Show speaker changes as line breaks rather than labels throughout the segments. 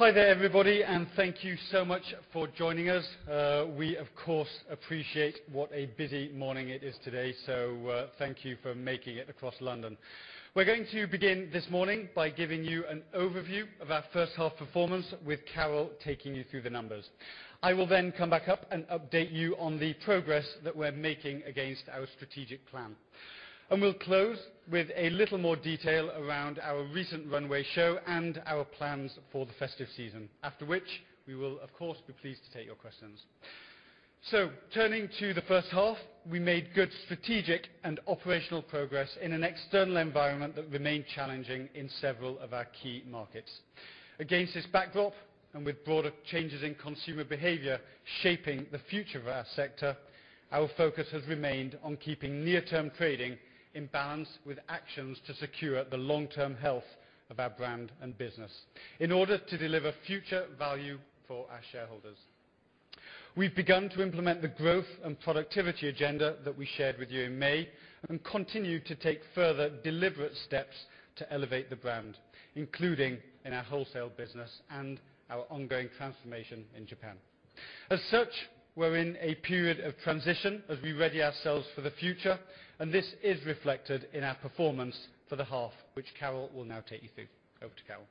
Hi there everybody, thank you so much for joining us. We of course appreciate what a busy morning it is today, thank you for making it across London. We're going to begin this morning by giving you an overview of our first half performance, with Carol taking you through the numbers. I will then come back up and update you on the progress that we're making against our strategic plan. We'll close with a little more detail around our recent runway show and our plans for the festive season. After which, we will of course be pleased to take your questions. Turning to the first half, we made good strategic and operational progress in an external environment that remained challenging in several of our key markets. Against this backdrop, with broader changes in consumer behavior shaping the future of our sector, our focus has remained on keeping near-term trading in balance with actions to secure the long-term health of our brand and business in order to deliver future value for our shareholders. We've begun to implement the growth and productivity agenda that we shared with you in May and continue to take further deliberate steps to elevate the brand, including in our wholesale business and our ongoing transformation in Japan. As such, we're in a period of transition as we ready ourselves for the future, this is reflected in our performance for the half, which Carol will now take you through. Over to Carol.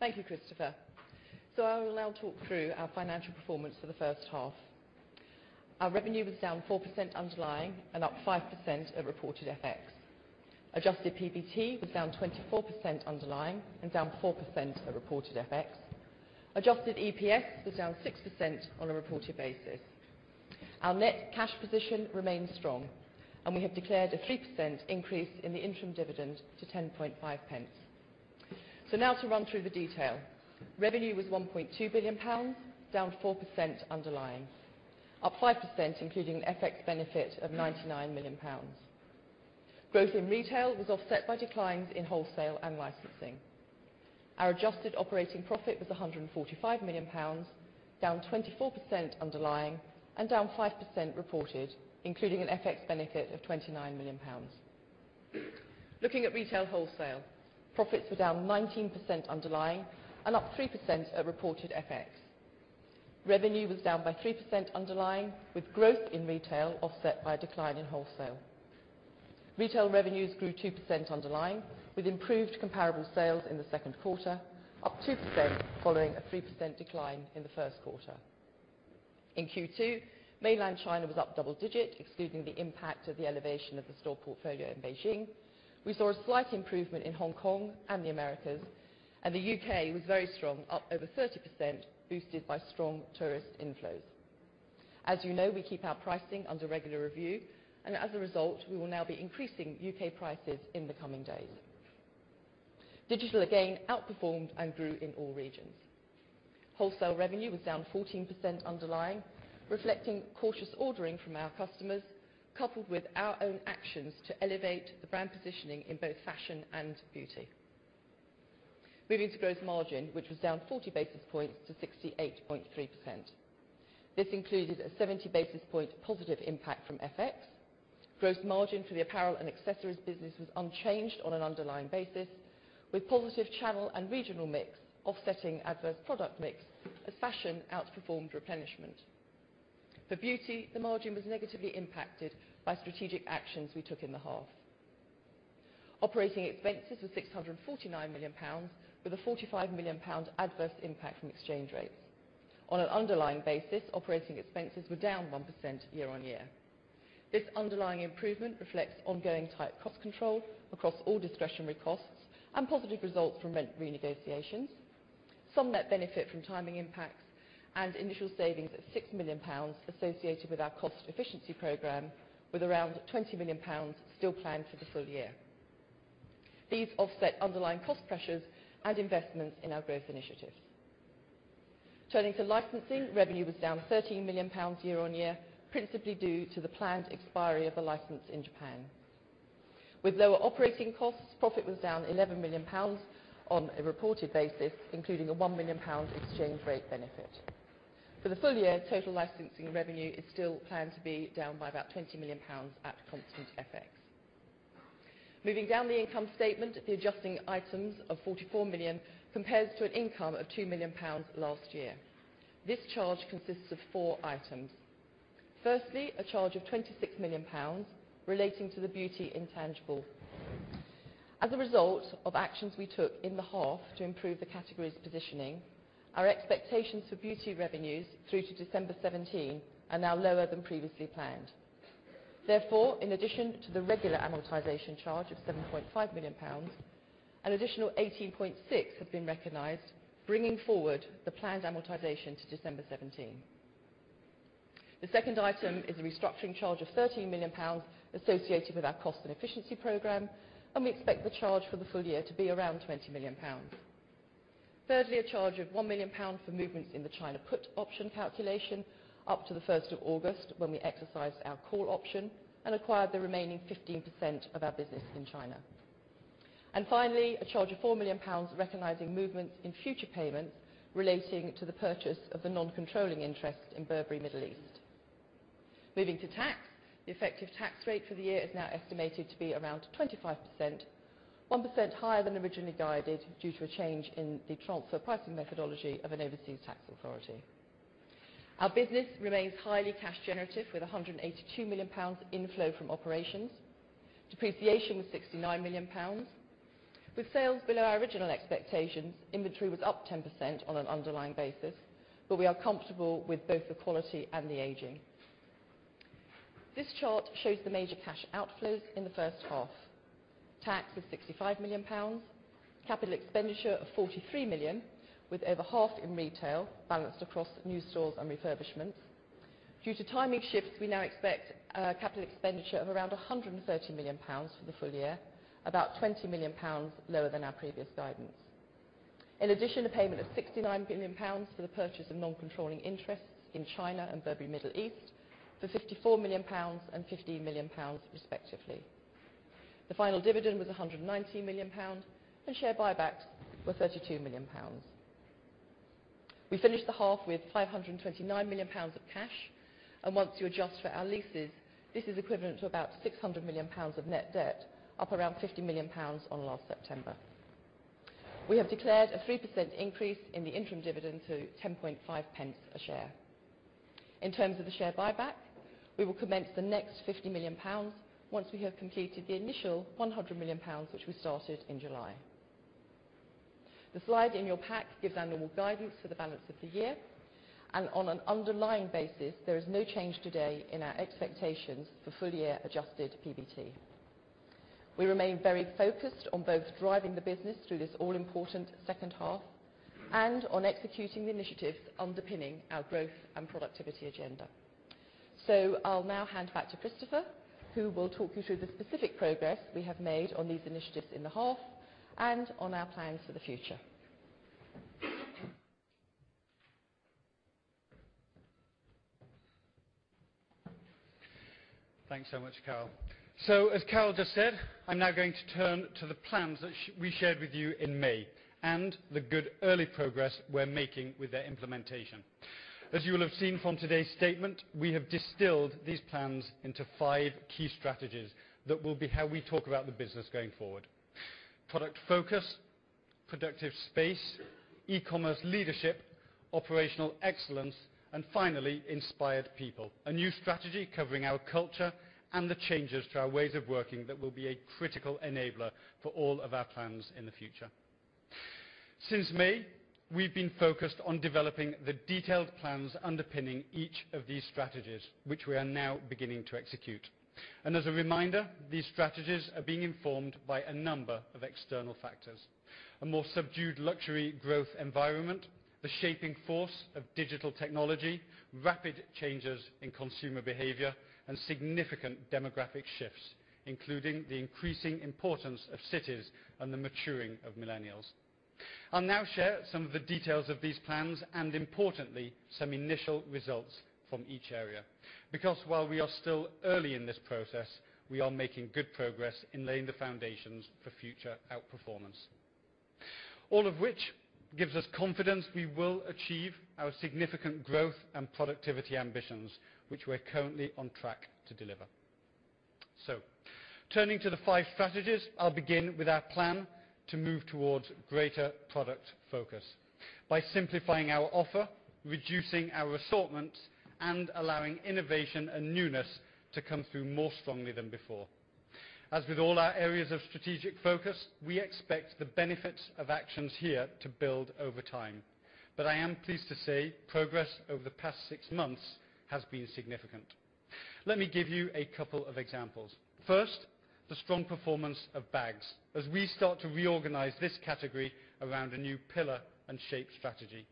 Thank you, Christopher. I will now talk through our financial performance for the first half. Our revenue was down 4% underlying and up 5% at reported FX. Adjusted PBT was down 24% underlying and down 4% at reported FX. Adjusted EPS was down 6% on a reported basis. Our net cash position remains strong, we have declared a 3% increase in the interim dividend to 0.105. Now to run through the detail. Revenue was 1.2 billion pounds, down 4% underlying, up 5% including an FX benefit of GBP 99 million. Growth in retail was offset by declines in wholesale and licensing. Our adjusted operating profit was 145 million pounds, down 24% underlying and down 5% reported, including an FX benefit of 29 million pounds. Looking at retail wholesale, profits were down 19% underlying and up 3% at reported FX. Revenue was down by 3% underlying, with growth in retail offset by a decline in wholesale. Retail revenues grew 2% underlying, with improved comparable sales in the second quarter, up 2% following a 3% decline in the first quarter. In Q2, Mainland China was up double digit, excluding the impact of the elevation of the store portfolio in Beijing. We saw a slight improvement in Hong Kong and the Americas, the U.K. was very strong, up over 30%, boosted by strong tourist inflows. As you know, we keep our pricing under regular review, as a result, we will now be increasing U.K. prices in the coming days. Digital again outperformed and grew in all regions. Wholesale revenue was down 14% underlying, reflecting cautious ordering from our customers, coupled with our own actions to elevate the brand positioning in both fashion and beauty. Moving to gross margin, which was down 40 basis points to 68.3%. This included a 70 basis point positive impact from FX. Gross margin for the apparel and accessories business was unchanged on an underlying basis, with positive channel and regional mix offsetting adverse product mix as fashion outperformed replenishment. For beauty, the margin was negatively impacted by strategic actions we took in the half. Operating expenses were 649 million pounds, with a 45 million pounds adverse impact from exchange rates. On an underlying basis, operating expenses were down 1% year-over-year. This underlying improvement reflects ongoing tight cost control across all discretionary costs and positive results from rent renegotiations, some net benefit from timing impacts, and initial savings of 6 million pounds associated with our cost efficiency program, with around 20 million pounds still planned for the full year. These offset underlying cost pressures and investments in our growth initiatives. Turning to licensing, revenue was down 13 million pounds year-over-year, principally due to the planned expiry of the license in Japan. With lower operating costs, profit was down 11 million pounds on a reported basis, including a 1 million pounds exchange rate benefit. For the full year, total licensing revenue is still planned to be down by about 20 million pounds at constant FX. Moving down the income statement, the adjusting items of 44 million compares to an income of 2 million pounds last year. This charge consists of four items. Firstly, a charge of 26 million pounds relating to the beauty intangible. As a result of actions we took in the half to improve the category's positioning, our expectations for beauty revenues through to December 2017 are now lower than previously planned. Therefore, in addition to the regular amortization charge of 7.5 million pounds, an additional 18.6 has been recognized, bringing forward the planned amortization to December 2017. The second item is a restructuring charge of 13 million pounds associated with our cost and efficiency program, and we expect the charge for the full year to be around 20 million pounds. Thirdly, a charge of 1 million pounds for movements in the China put option calculation up to the 1st of August, when we exercised our call option and acquired the remaining 15% of our business in China. Finally, a charge of 4 million pounds recognizing movements in future payments relating to the purchase of the non-controlling interest in Burberry Middle East. Moving to tax, the effective tax rate for the year is now estimated to be around 25%, 1% higher than originally guided due to a change in the transfer pricing methodology of an overseas tax authority. Our business remains highly cash generative with 182 million pounds inflow from operations. Depreciation was 69 million pounds. With sales below our original expectations, inventory was up 10% on an underlying basis, but we are comfortable with both the quality and the aging. This chart shows the major cash outflows in the first half. Tax was 65 million pounds, capital expenditure of 43 million, with over half in retail balanced across new stores and refurbishments. Due to timing shifts, we now expect a capital expenditure of around 130 million pounds for the full year, about 20 million pounds lower than our previous guidance. In addition, a payment of 69 million pounds for the purchase of non-controlling interests in China and Burberry Middle East for 54 million pounds and 15 million pounds respectively. The final dividend was 119 million pounds, and share buybacks were 32 million pounds. We finished the half with 529 million pounds of cash, and once you adjust for our leases, this is equivalent to about 600 million pounds of net debt, up around 50 million pounds on last September. We have declared a 3% increase in the interim dividend to 0.105 a share. In terms of the share buyback, we will commence the next 50 million pounds once we have completed the initial 100 million pounds, which we started in July. The slide in your pack gives annual guidance for the balance of the year, and on an underlying basis, there is no change today in our expectations for full-year adjusted PBT. We remain very focused on both driving the business through this all-important second half and on executing the initiatives underpinning our growth and productivity agenda. I'll now hand back to Christopher, who will talk you through the specific progress we have made on these initiatives in the half and on our plans for the future.
Thanks so much, Carol. As Carol just said, I'm now going to turn to the plans that we shared with you in May and the good early progress we're making with their implementation. As you will have seen from today's statement, we have distilled these plans into five key strategies that will be how we talk about the business going forward. Product focus, productive space, e-commerce leadership, operational excellence, and finally, inspired people. A new strategy covering our culture and the changes to our ways of working that will be a critical enabler for all of our plans in the future. Since May, we've been focused on developing the detailed plans underpinning each of these strategies, which we are now beginning to execute. As a reminder, these strategies are being informed by a number of external factors. A more subdued luxury growth environment, the shaping force of digital technology, rapid changes in consumer behavior, and significant demographic shifts, including the increasing importance of cities and the maturing of millennials. I'll now share some of the details of these plans and importantly, some initial results from each area. Because while we are still early in this process, we are making good progress in laying the foundations for future outperformance. All of which gives us confidence we will achieve our significant growth and productivity ambitions, which we're currently on track to deliver. Turning to the five strategies, I'll begin with our plan to move towards greater product focus by simplifying our offer, reducing our assortment, and allowing innovation and newness to come through more strongly than before. As with all our areas of strategic focus, we expect the benefits of actions here to build over time. I am pleased to say progress over the past six months has been significant. Let me give you a couple of examples. First, the strong performance of bags as we start to reorganize this category around a new pillar and shape strategy.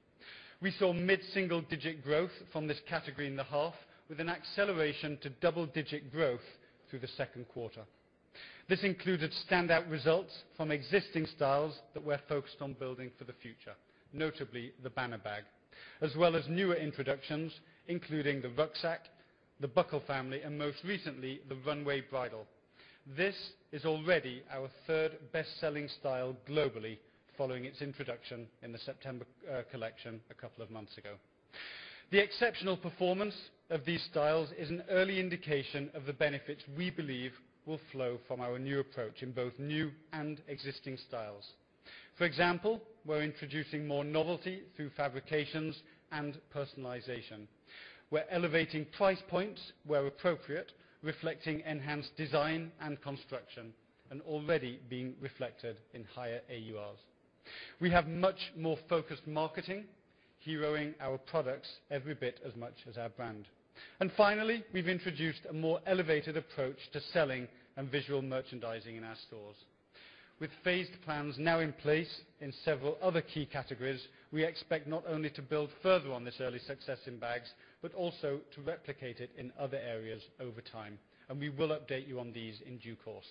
We saw mid-single-digit growth from this category in the half, with an acceleration to double-digit growth through the second quarter. This included standout results from existing styles that we're focused on building for the future, notably the Banner bag, as well as newer introductions, including the Rucksack, the Buckle family, and most recently, the Runway Bridle. This is already our third best-selling style globally following its introduction in the September collection a couple of months ago. The exceptional performance of these styles is an early indication of the benefits we believe will flow from our new approach in both new and existing styles. For example, we're introducing more novelty through fabrications and personalization. We're elevating price points where appropriate, reflecting enhanced design and construction, and already being reflected in higher AURs. Finally, we've introduced a more elevated approach to selling and visual merchandising in our stores. With phased plans now in place in several other key categories, we expect not only to build further on this early success in bags, but also to replicate it in other areas over time. We will update you on these in due course.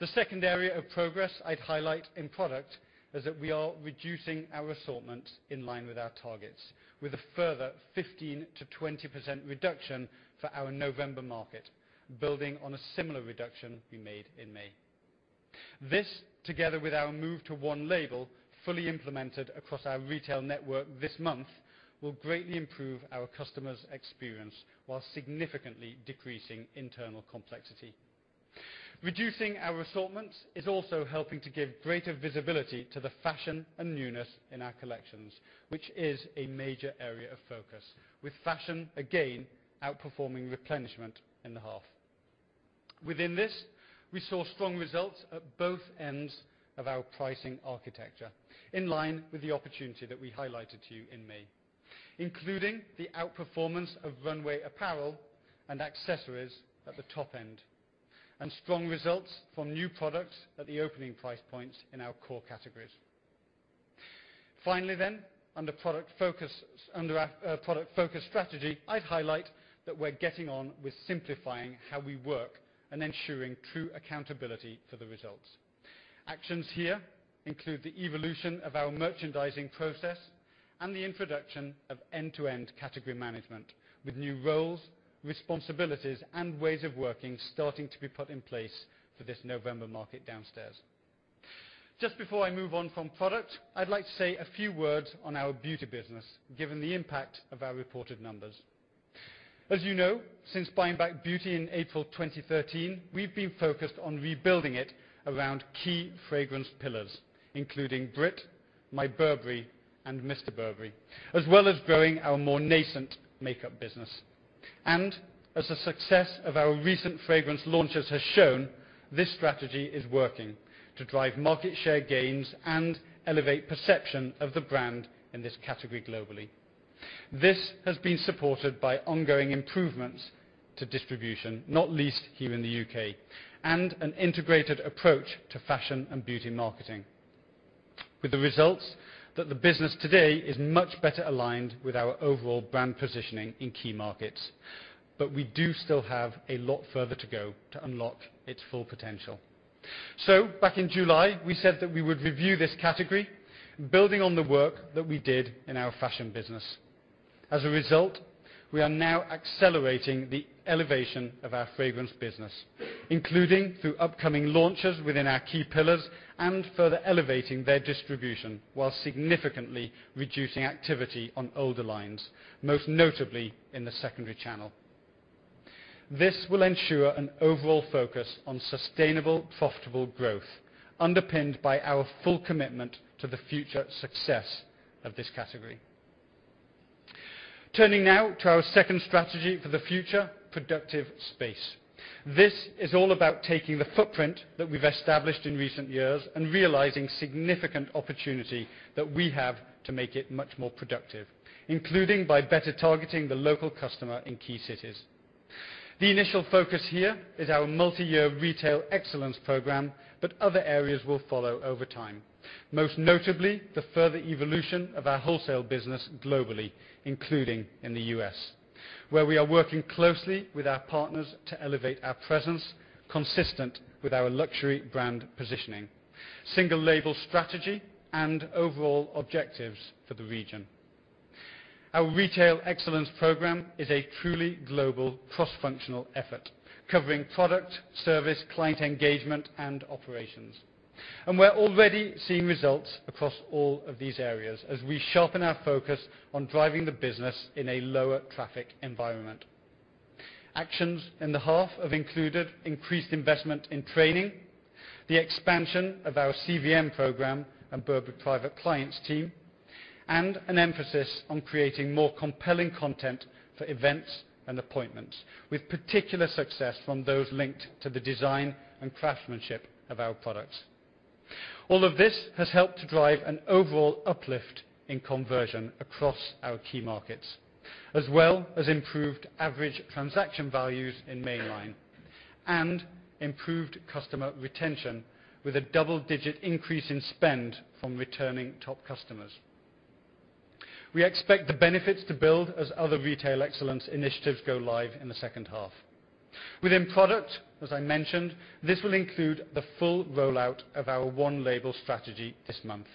The second area of progress I'd highlight in product is that we are reducing our assortment in line with our targets with a further 15%-20% reduction for our November market, building on a similar reduction we made in May. This, together with our move to one label, fully implemented across our retail network this month, will greatly improve our customers' experience while significantly decreasing internal complexity. Reducing our assortments is also helping to give greater visibility to the fashion and newness in our collections, which is a major area of focus, with fashion, again, outperforming replenishment in the half. Within this, we saw strong results at both ends of our pricing architecture, in line with the opportunity that we highlighted to you in May, including the outperformance of runway apparel and accessories at the top end, and strong results from new products at the opening price points in our core categories. Under our product focus strategy, I'd highlight that we're getting on with simplifying how we work and ensuring true accountability for the results. Actions here include the evolution of our merchandising process and the introduction of end-to-end category management with new roles, responsibilities, and ways of working starting to be put in place for this November market downstairs. Just before I move on from product, I'd like to say a few words on our beauty business, given the impact of our reported numbers. As you know, since buying back beauty in April 2013, we've been focused on rebuilding it around key fragrance pillars, including Brit, My Burberry, and Mr. Burberry, as well as growing our more nascent makeup business. As the success of our recent fragrance launches has shown, this strategy is working to drive market share gains and elevate perception of the brand in this category globally. This has been supported by ongoing improvements to distribution, not least here in the U.K., and an integrated approach to fashion and beauty marketing, with the results that the business today is much better aligned with our overall brand positioning in key markets. We do still have a lot further to go to unlock its full potential. Back in July, we said that we would review this category, building on the work that we did in our fashion business. As a result, we are now accelerating the elevation of our fragrance business, including through upcoming launches within our key pillars and further elevating their distribution while significantly reducing activity on older lines, most notably in the secondary channel. This will ensure an overall focus on sustainable, profitable growth underpinned by our full commitment to the future success of this category. Turning now to our second strategy for the future, productive space. This is all about taking the footprint that we've established in recent years and realizing significant opportunity that we have to make it much more productive, including by better targeting the local customer in key cities. The initial focus here is our multi-year Retail Excellence Program, but other areas will follow over time, most notably the further evolution of our wholesale business globally, including in the U.S., where we are working closely with our partners to elevate our presence consistent with our luxury brand positioning, single label strategy, and overall objectives for the region. Our Retail Excellence Program is a truly global cross-functional effort covering product, service, client engagement, and operations. We're already seeing results across all of these areas as we sharpen our focus on driving the business in a lower traffic environment. Actions in the half have included increased investment in training, the expansion of our CVM Program and Burberry Private Clients team, and an emphasis on creating more compelling content for events and appointments, with particular success from those linked to the design and craftsmanship of our products. All of this has helped to drive an overall uplift in conversion across our key markets, as well as improved average transaction values in Mainline and improved customer retention with a double-digit increase in spend from returning top customers. We expect the benefits to build as other Retail Excellence initiatives go live in the second half. Within product, as I mentioned, this will include the full rollout of our one label strategy this month.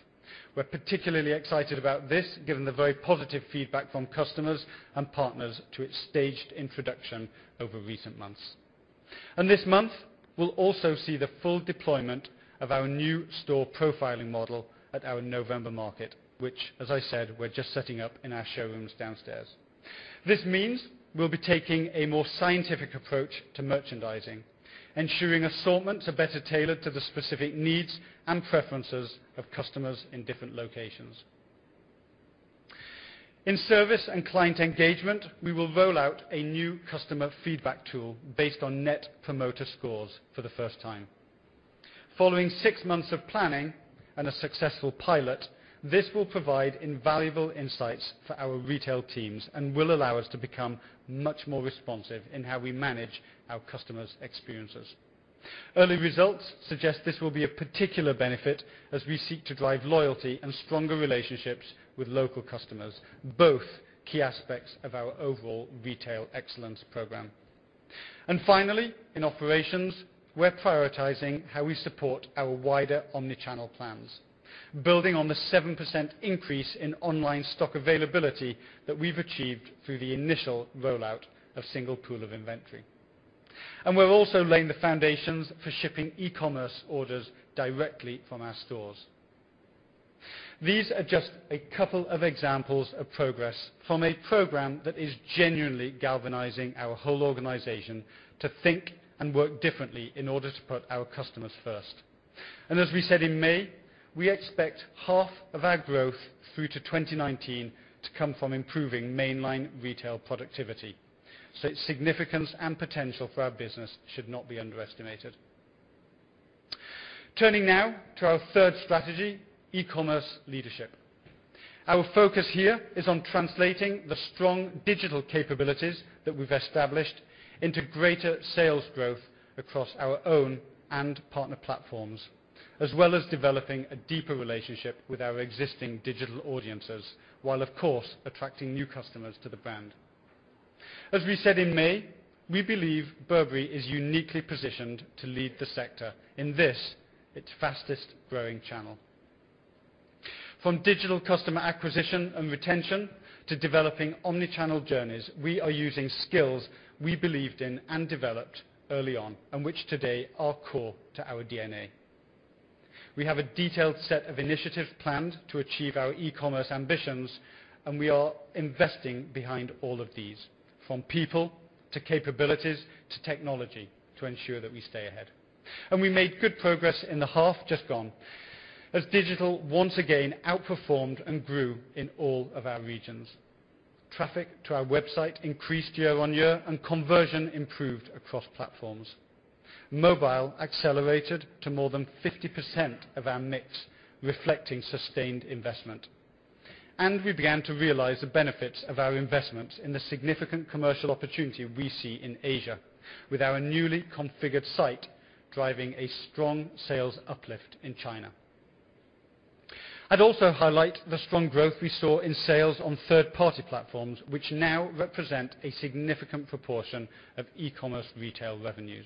We're particularly excited about this, given the very positive feedback from customers and partners to its staged introduction over recent months. This month, we'll also see the full deployment of our new store profiling model at our November market, which as I said, we're just setting up in our showrooms downstairs. This means we'll be taking a more scientific approach to merchandising, ensuring assortments are better tailored to the specific needs and preferences of customers in different locations. In service and client engagement, we will roll out a new customer feedback tool based on net promoter scores for the first time. Following 6 months of planning and a successful pilot, this will provide invaluable insights for our retail teams and will allow us to become much more responsive in how we manage our customers' experiences. Early results suggest this will be a particular benefit as we seek to drive loyalty and stronger relationships with local customers, both key aspects of our overall Retail Excellence Program. Finally, in operations, we're prioritizing how we support our wider omni-channel plans. Building on the 7% increase in online stock availability that we've achieved through the initial rollout of single pool of inventory. We're also laying the foundations for shipping e-commerce orders directly from our stores. These are just a couple of examples of progress from a program that is genuinely galvanizing our whole organization to think and work differently in order to put our customers first. As we said in May, we expect half of our growth through to 2019 to come from improving mainline retail productivity. Its significance and potential for our business should not be underestimated. Turning now to our third strategy, E-commerce Leadership. Our focus here is on translating the strong digital capabilities that we've established into greater sales growth across our own and partner platforms, as well as developing a deeper relationship with our existing digital audiences, while of course, attracting new customers to the brand. As we said in May, we believe Burberry is uniquely positioned to lead the sector in this, its fastest-growing channel. From digital customer acquisition and retention, to developing omni-channel journeys, we are using skills we believed in and developed early on, and which today are core to our DNA. We have a detailed set of initiatives planned to achieve our e-commerce ambitions, and we are investing behind all of these, from people, to capabilities, to technology to ensure that we stay ahead. We made good progress in the half just gone, as digital once again outperformed and grew in all of our regions. Traffic to our website increased year-on-year, and conversion improved across platforms. Mobile accelerated to more than 50% of our mix, reflecting sustained investment. We began to realize the benefits of our investment in the significant commercial opportunity we see in Asia with our newly configured site driving a strong sales uplift in China. I'd also highlight the strong growth we saw in sales on third-party platforms, which now represent a significant proportion of e-commerce retail revenues.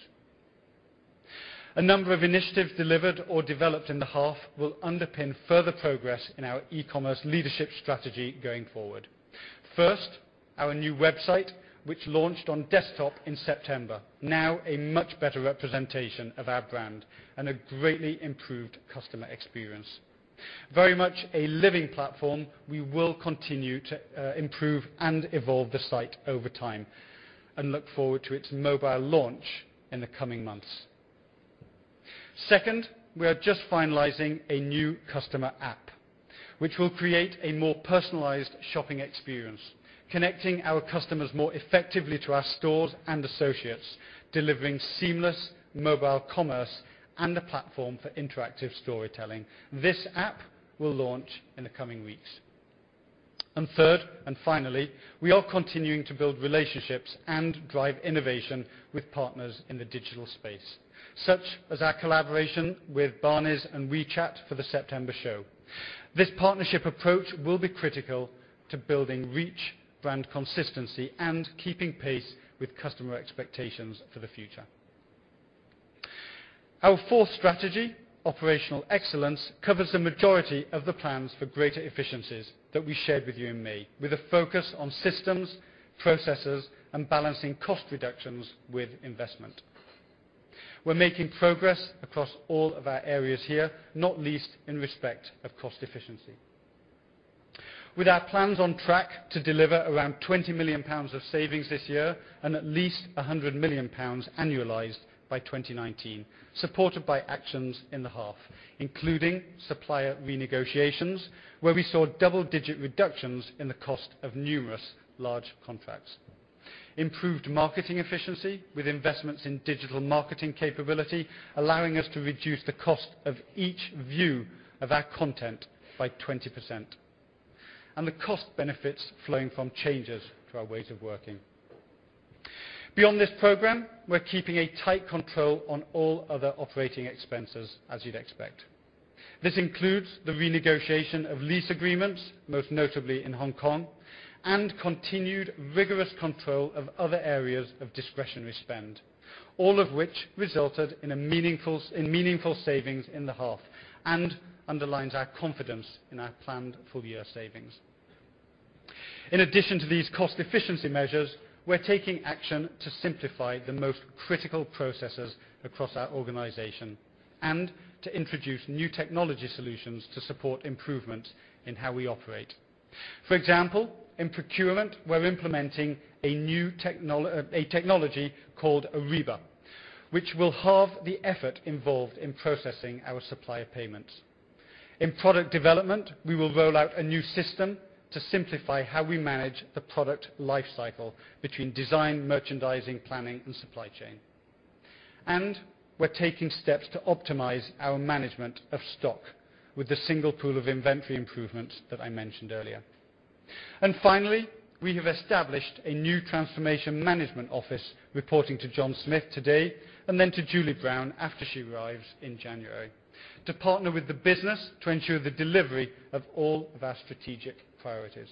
A number of initiatives delivered or developed in the half will underpin further progress in our E-commerce Leadership strategy going forward. First, our new website, which launched on desktop in September, now a much better representation of our brand and a greatly improved customer experience. Very much a living platform, we will continue to improve and evolve the site over time and look forward to its mobile launch in the coming months. Second, we are just finalizing a new customer app which will create a more personalized shopping experience, connecting our customers more effectively to our stores and associates, delivering seamless mobile commerce and a platform for interactive storytelling. This app will launch in the coming weeks. Third and finally, we are continuing to build relationships and drive innovation with partners in the digital space, such as our collaboration with Barneys and WeChat for the September show. This partnership approach will be critical to building reach, brand consistency, and keeping pace with customer expectations for the future. Our fourth strategy, operational excellence, covers the majority of the plans for greater efficiencies that we shared with you in May, with a focus on systems, processes, and balancing cost reductions with investment. We're making progress across all of our areas here, not least in respect of cost efficiency. With our plans on track to deliver around 20 million pounds of savings this year and at least 100 million pounds annualized by 2019, supported by actions in the half, including supplier renegotiations, where we saw double-digit reductions in the cost of numerous large contracts. Improved marketing efficiency with investments in digital marketing capability, allowing us to reduce the cost of each view of our content by 20%. The cost benefits flowing from changes to our ways of working. Beyond this program, we're keeping a tight control on all other operating expenses, as you'd expect. This includes the renegotiation of lease agreements, most notably in Hong Kong, and continued rigorous control of other areas of discretionary spend. All of which resulted in meaningful savings in the half and underlines our confidence in our planned full-year savings. In addition to these cost efficiency measures, we're taking action to simplify the most critical processes across our organization and to introduce new technology solutions to support improvement in how we operate. For example, in procurement, we're implementing a technology called Ariba, which will halve the effort involved in processing our supplier payments. In product development, we will roll out a new system to simplify how we manage the product life cycle between design, merchandising, planning, and supply chain. We're taking steps to optimize our management of stock with the single pool of inventory improvements that I mentioned earlier. Finally, we have established a new transformation management office reporting to John Smith today and then to Julie Brown after she arrives in January, to partner with the business to ensure the delivery of all of our strategic priorities.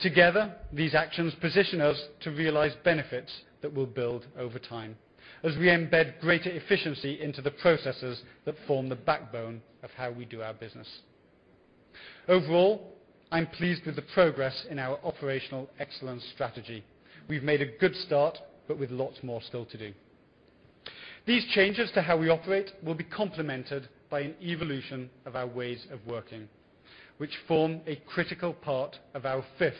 Together, these actions position us to realize benefits that will build over time as we embed greater efficiency into the processes that form the backbone of how we do our business. Overall, I'm pleased with the progress in our operational excellence strategy. We've made a good start, but with lots more still to do. These changes to how we operate will be complemented by an evolution of our ways of working, which form a critical part of our fifth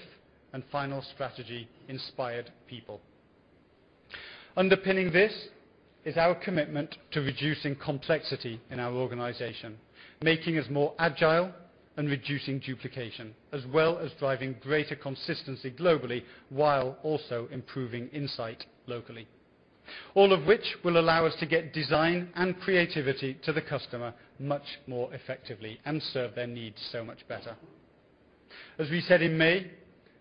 and final strategy, inspired people. Underpinning this is our commitment to reducing complexity in our organization, making us more agile and reducing duplication, as well as driving greater consistency globally, while also improving insight locally. All of which will allow us to get design and creativity to the customer much more effectively and serve their needs so much better. As we said in May,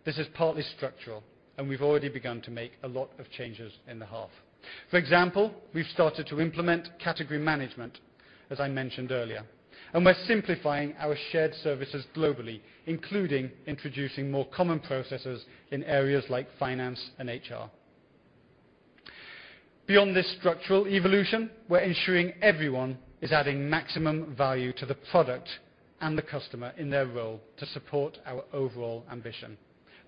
this is partly structural, and we've already begun to make a lot of changes in the half. For example, we've started to implement category management, as I mentioned earlier, and we're simplifying our shared services globally, including introducing more common processes in areas like finance and HR. Beyond this structural evolution, we're ensuring everyone is adding maximum value to the product and the customer in their role to support our overall ambition.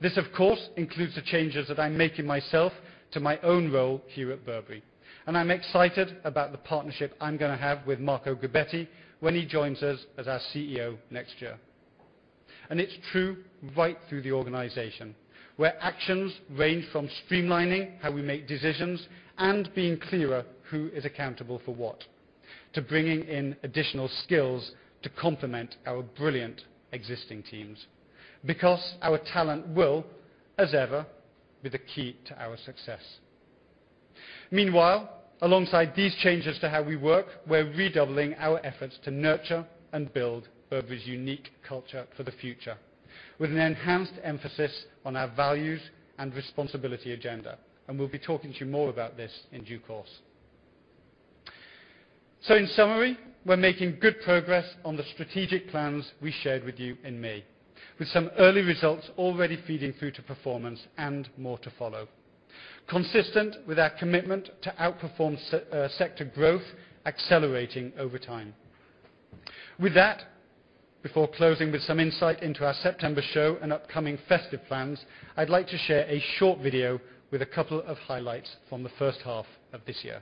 This, of course, includes the changes that I'm making myself to my own role here at Burberry. I'm excited about the partnership I'm going to have with Marco Gobbetti when he joins us as our CEO next year. It's true right through the organization, where actions range from streamlining how we make decisions and being clearer who is accountable for what, to bringing in additional skills to complement our brilliant existing teams. Because our talent will, as ever, be the key to our success. Meanwhile, alongside these changes to how we work, we're redoubling our efforts to nurture and build Burberry's unique culture for the future with an enhanced emphasis on our values and responsibility agenda. We'll be talking to you more about this in due course. In summary, we're making good progress on the strategic plans we shared with you in May, with some early results already feeding through to performance and more to follow. Consistent with our commitment to outperform sector growth, accelerating over time. With that, before closing with some insight into our September show and upcoming festive plans, I'd like to share a short video with a couple of highlights from the first half of this year.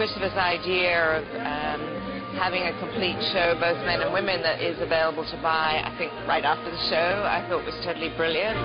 Christopher's idea of having a complete show, both men and women, that is available to buy, I think right after the show, I thought was totally brilliant.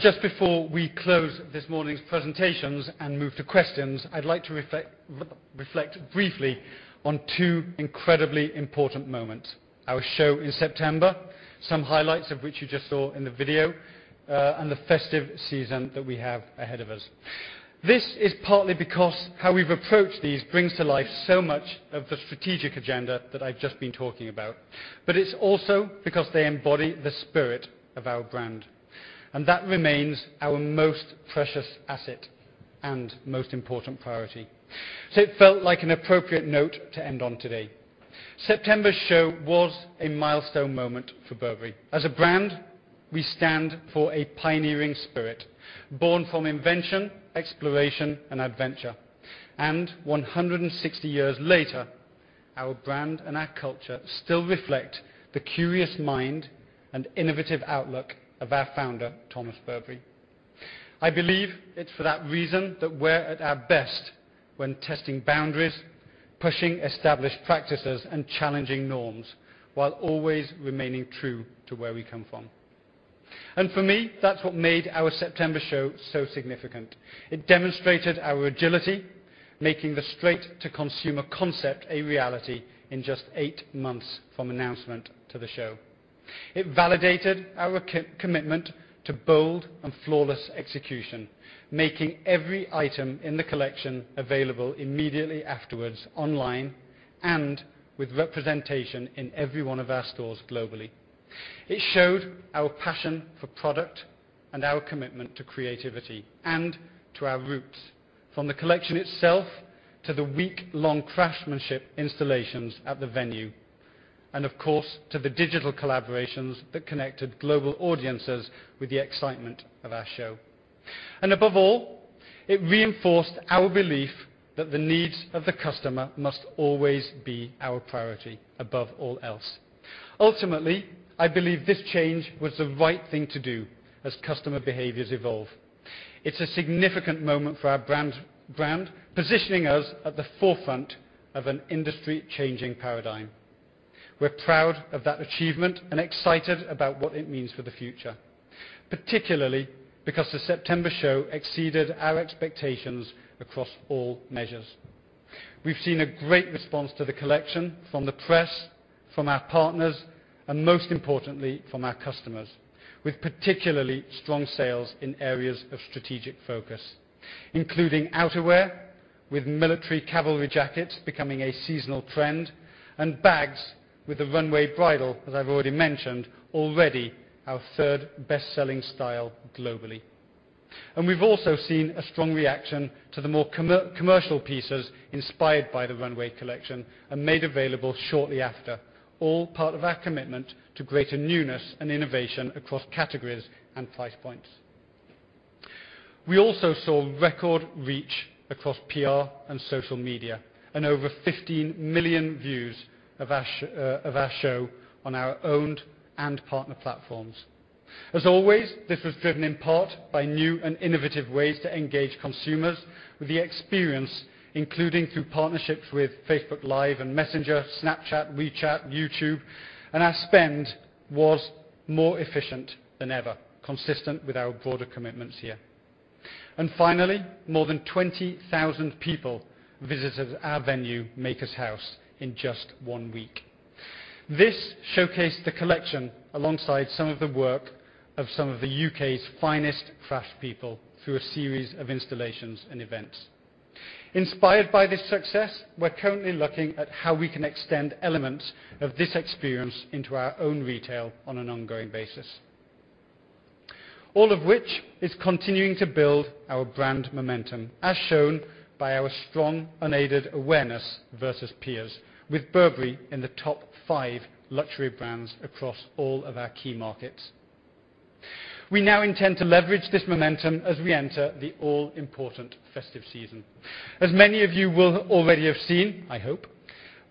Just before we close this morning's presentations and move to questions, I'd like to reflect briefly on two incredibly important moments. Our show in September, some highlights of which you just saw in the video, and the festive season that we have ahead of us. This is partly because how we've approached these brings to life so much of the strategic agenda that I've just been talking about. It's also because they embody the spirit of our brand, and that remains our most precious asset and most important priority. It felt like an appropriate note to end on today. September's show was a milestone moment for Burberry. As a brand, we stand for a pioneering spirit, born from invention, exploration, and adventure. 160 years later, our brand and our culture still reflect the curious mind and innovative outlook of our founder, Thomas Burberry. I believe it's for that reason that we're at our best when testing boundaries, pushing established practices, and challenging norms, while always remaining true to where we come from. For me, that's what made our September show so significant. It demonstrated our agility, making the see-now-buy-now concept a reality in just eight months from announcement to the show. It validated our commitment to bold and flawless execution, making every item in the collection available immediately afterwards online and with representation in every one of our stores globally. It showed our passion for product and our commitment to creativity and to our roots, from the collection itself, to the week-long craftsmanship installations at the venue, and of course, to the digital collaborations that connected global audiences with the excitement of our show. Above all, it reinforced our belief that the needs of the customer must always be our priority above all else. Ultimately, I believe this change was the right thing to do as customer behaviors evolve. It's a significant moment for our brand, positioning us at the forefront of an industry-changing paradigm. We're proud of that achievement and excited about what it means for the future, particularly because the September show exceeded our expectations across all measures. We've seen a great response to the collection from the press, from our partners, and most importantly, from our customers, with particularly strong sales in areas of strategic focus, including outerwear, with military cavalry jackets becoming a seasonal trend, and bags with a Runway Bridle, as I've already mentioned, already our third best-selling style globally. We've also seen a strong reaction to the more commercial pieces inspired by the runway collection and made available shortly after. All part of our commitment to greater newness and innovation across categories and price points. We also saw record reach across PR and social media and over 15 million views of our show on our owned and partner platforms. As always, this was driven in part by new and innovative ways to engage consumers with the experience, including through partnerships with Facebook Live and Messenger, Snapchat, WeChat, YouTube. Our spend was more efficient than ever, consistent with our broader commitments here. Finally, more than 20,000 people visited our venue, Maker's House, in just one week. This showcased the collection alongside some of the work of some of the U.K.'s finest craft people through a series of installations and events. Inspired by this success, we're currently looking at how we can extend elements of this experience into our own retail on an ongoing basis. All of which is continuing to build our brand momentum, as shown by our strong unaided awareness versus peers, with Burberry in the top five luxury brands across all of our key markets. We now intend to leverage this momentum as we enter the all-important festive season. As many of you will already have seen, I hope,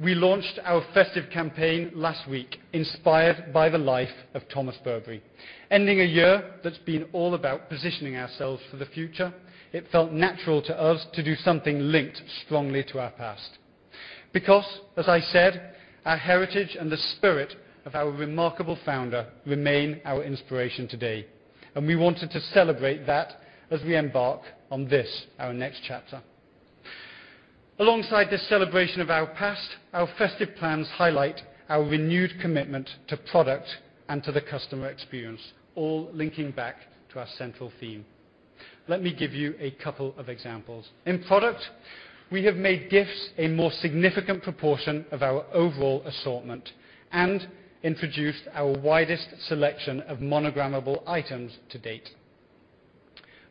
we launched our festive campaign last week, inspired by the life of Thomas Burberry. Ending a year that's been all about positioning ourselves for the future, it felt natural to us to do something linked strongly to our past. As I said, our heritage and the spirit of our remarkable founder remain our inspiration today. We wanted to celebrate that as we embark on this, our next chapter. Alongside this celebration of our past, our festive plans highlight our renewed commitment to product and to the customer experience, all linking back to our central theme. Let me give you a couple of examples. In product, we have made gifts a more significant proportion of our overall assortment and introduced our widest selection of monogrammable items to date.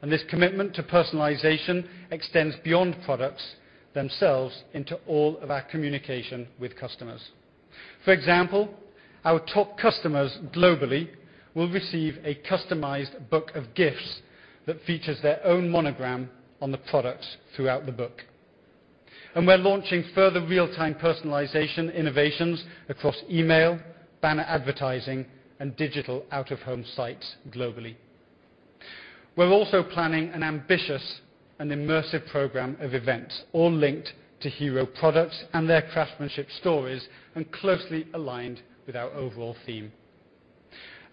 This commitment to personalization extends beyond product themselves into all of our communication with customers. For example, our top customers globally will receive a customized book of gifts that features their own monogram on the products throughout the book. We're launching further real-time personalization innovations across email, banner advertising, and digital out-of-home sites globally. We're also planning an ambitious and immersive program of events, all linked to hero products and their craftsmanship stories, and closely aligned with our overall theme.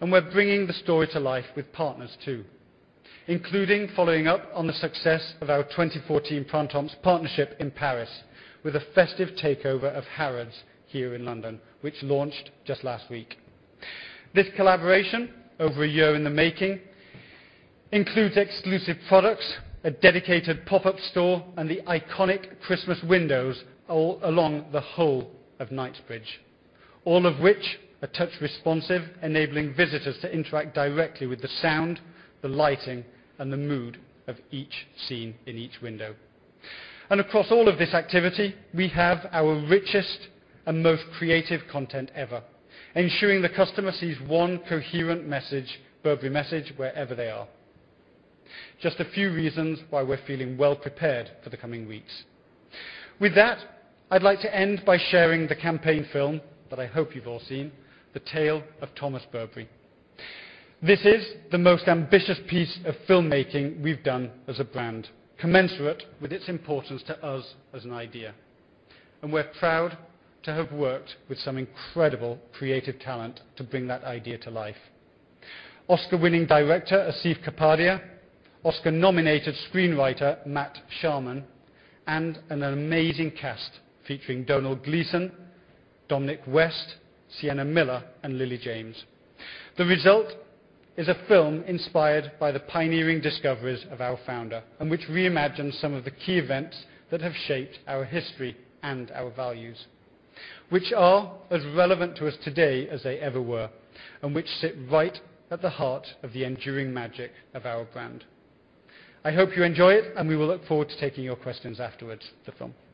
We're bringing the story to life with partners too, including following up on the success of our 2014 Printemps partnership in Paris with a festive takeover of Harrods here in London, which launched just last week. This collaboration, over a year in the making, includes exclusive products, a dedicated pop-up store, and the iconic Christmas windows all along the whole of Knightsbridge, all of which are touch responsive, enabling visitors to interact directly with the sound, the lighting, and the mood of each scene in each window. Across all of this activity, we have our richest and most creative content ever, ensuring the customer sees one coherent Burberry message wherever they are. Just a few reasons why we're feeling well prepared for the coming weeks. With that, I'd like to end by sharing the campaign film, that I hope you've all seen, the Tale of Thomas Burberry. This is the most ambitious piece of filmmaking we've done as a brand, commensurate with its importance to us as an idea. We're proud to have worked with some incredible creative talent to bring that idea to life. Oscar-winning director, Asif Kapadia, Oscar-nominated screenwriter, Matt Charman, and an amazing cast featuring Domhnall Gleeson, Dominic West, Sienna Miller, and Lily James. The result is a film inspired by the pioneering discoveries of our founder, and which reimagines some of the key events that have shaped our history and our values, which are as relevant to us today as they ever were, and which sit right at the heart of the enduring magic of our brand. I hope you enjoy it. We will look forward to taking your questions afterwards the film.
Your father can imagine a whole world in his head. What have you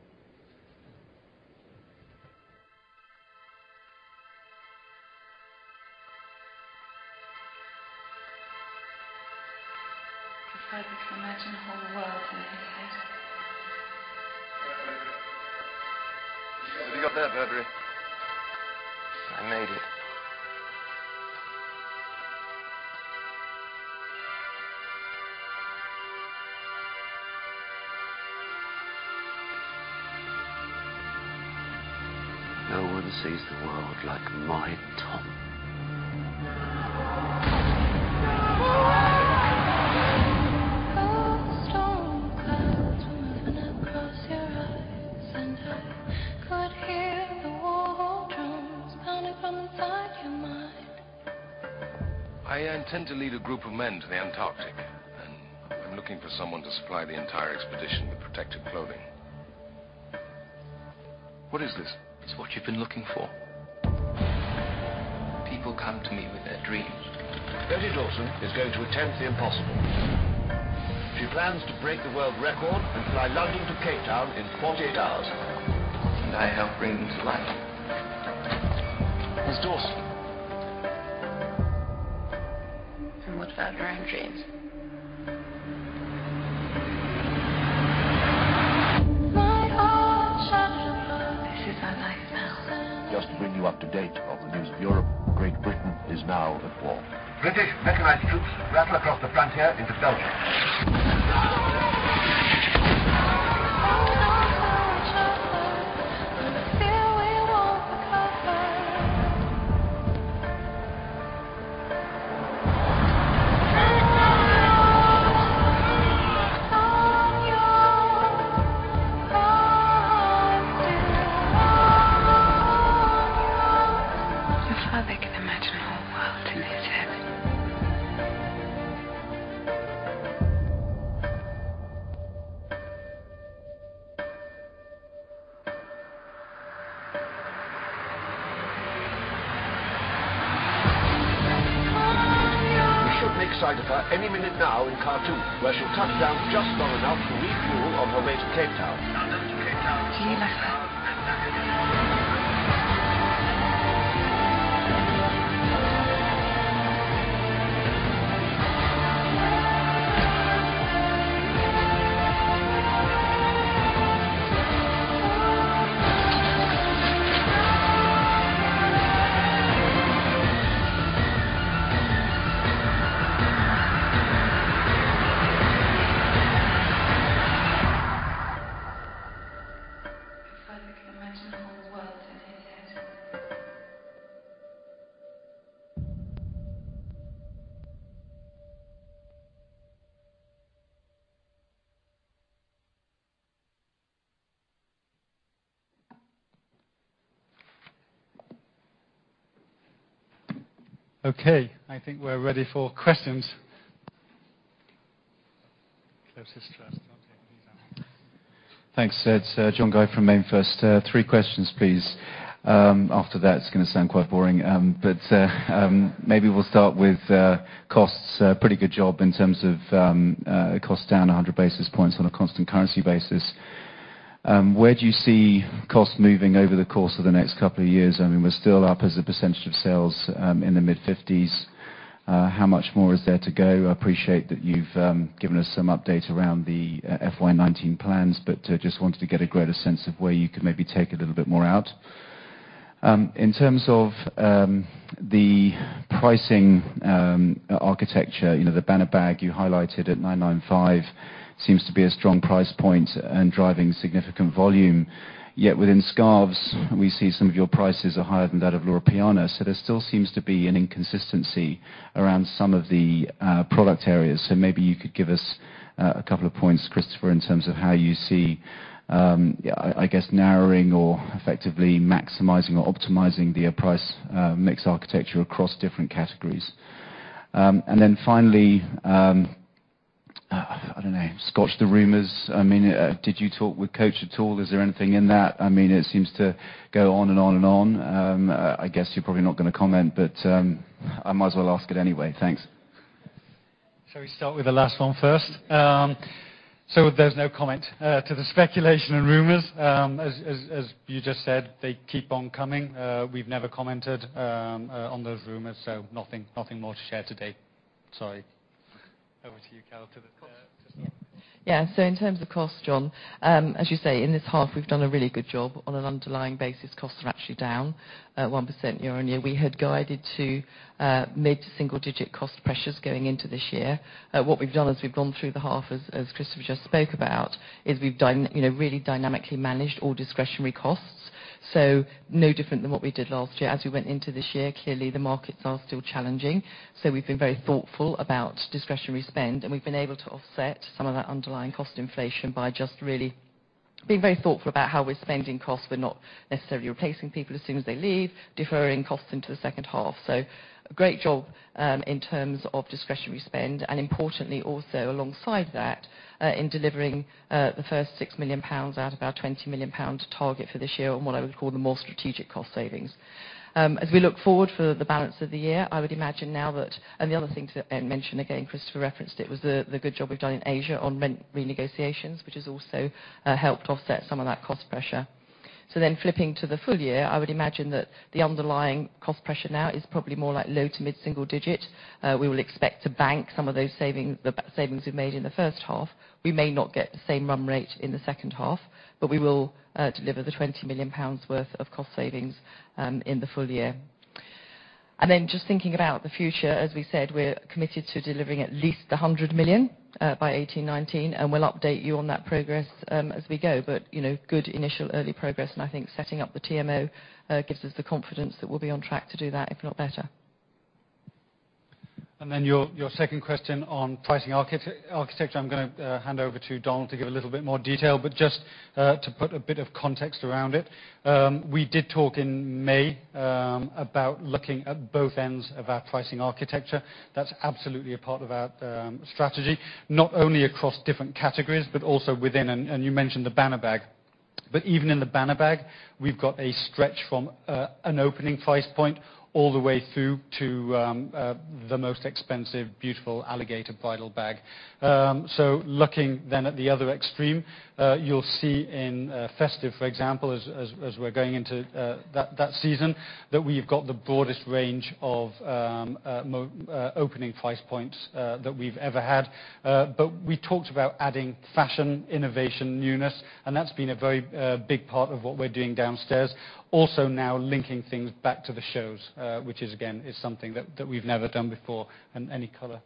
got there, Burberry? I made it. No one sees the world like my Tom. The storm clouds were moving across your eyes. I could hear the war drums pounding from inside your mind. I intend to lead a group of men to the Antarctic. I'm looking for someone to supply the entire expedition with protective clothing. What is this? It's what you've been looking for. People come to me with their dreams. Betty Dawson is going to attempt the impossible. She plans to break the world record and fly London to Cape Town in 48 hours. I help bring them to life. Miss Dawson. What of our own dreams?
Okay, I think we're ready for questions. Closest first. I'll take these now.
Thanks, Ed. John Guy from MainFirst. Three questions, please. After that, it's going to sound quite boring. Maybe we'll start with costs. Pretty good job in terms of costs down 100 basis points on a constant currency basis. Where do you see costs moving over the course of the next couple of years? We're still up as a percentage of sales, in the mid-50s. How much more is there to go? I appreciate that you've given us some updates around the FY 2019 plans, just wanted to get a greater sense of where you could maybe take a little bit more out. In terms of the pricing architecture, the Banner bag you highlighted at 995 seems to be a strong price point and driving significant volume. Yet within scarves, we see some of your prices are higher than that of Loro Piana. There still seems to be an inconsistency around some of the product areas. Maybe you could give us a couple of points, Christopher, in terms of how you see, I guess, narrowing or effectively maximizing or optimizing the price mix architecture across different categories. Finally, I don't know, scotch the rumors. Did you talk with Coach at all? Is there anything in that? It seems to go on and on. I guess you're probably not going to comment, but I might as well ask it anyway. Thanks.
Shall we start with the last one first? There's no comment to the speculation and rumors. As you just said, they keep on coming. We've never commented on those rumors, nothing more to share today. Sorry. Over to you, Carol, to the cost system.
Yeah. In terms of cost, John, as you say, in this half, we've done a really good job. On an underlying basis, costs are actually down 1% year-on-year. We had guided to mid-to-single digit cost pressures going into this year. What we've done as we've gone through the half, as Christopher just spoke about, is we've really dynamically managed all discretionary costs. No different than what we did last year. As we went into this year, clearly the markets are still challenging. We've been very thoughtful about discretionary spend, and we've been able to offset some of that underlying cost inflation by just really being very thoughtful about how we're spending costs. We're not necessarily replacing people as soon as they leave, deferring costs into the second half. A great job in terms of discretionary spend, and importantly also alongside that, in delivering the first 6 million pounds out of our 20 million pounds target for this year on what I would call the more strategic cost savings. As we look forward for the balance of the year, I would imagine the other thing to mention again, Christopher referenced it, was the good job we've done in Asia on rent renegotiations, which has also helped offset some of that cost pressure. Flipping to the full year, I would imagine that the underlying cost pressure now is probably more like low-to-mid-single digit. We will expect to bank some of those savings we've made in the first half. We may not get the same run rate in the second half, we will deliver the 20 million pounds worth of cost savings in the full year. Just thinking about the future, as we said, we're committed to delivering at least 100 million by 2018-2019, we'll update you on that progress as we go. Good initial early progress, I think setting up the TMO gives us the confidence that we'll be on track to do that, if not better.
Your second question on pricing architecture, I'm going to hand over to Donald to give a little bit more detail. Just to put a bit of context around it, we did talk in May about looking at both ends of our pricing architecture. That's absolutely a part of our strategy, not only across different categories but also within. You mentioned the Banner bag. Even in the Banner bag, we've got a stretch from an opening price point all the way through to the most expensive, beautiful alligator Bridle bag. Looking then at the other extreme, you'll see in festive, for example, as we're going into that season, that we've got the broadest range of opening price points that we've ever had. We talked about adding fashion, innovation, newness, that's been a very big part of what we're doing downstairs. Also now linking things back to the shows, which is again is something that we've never done before. Any color?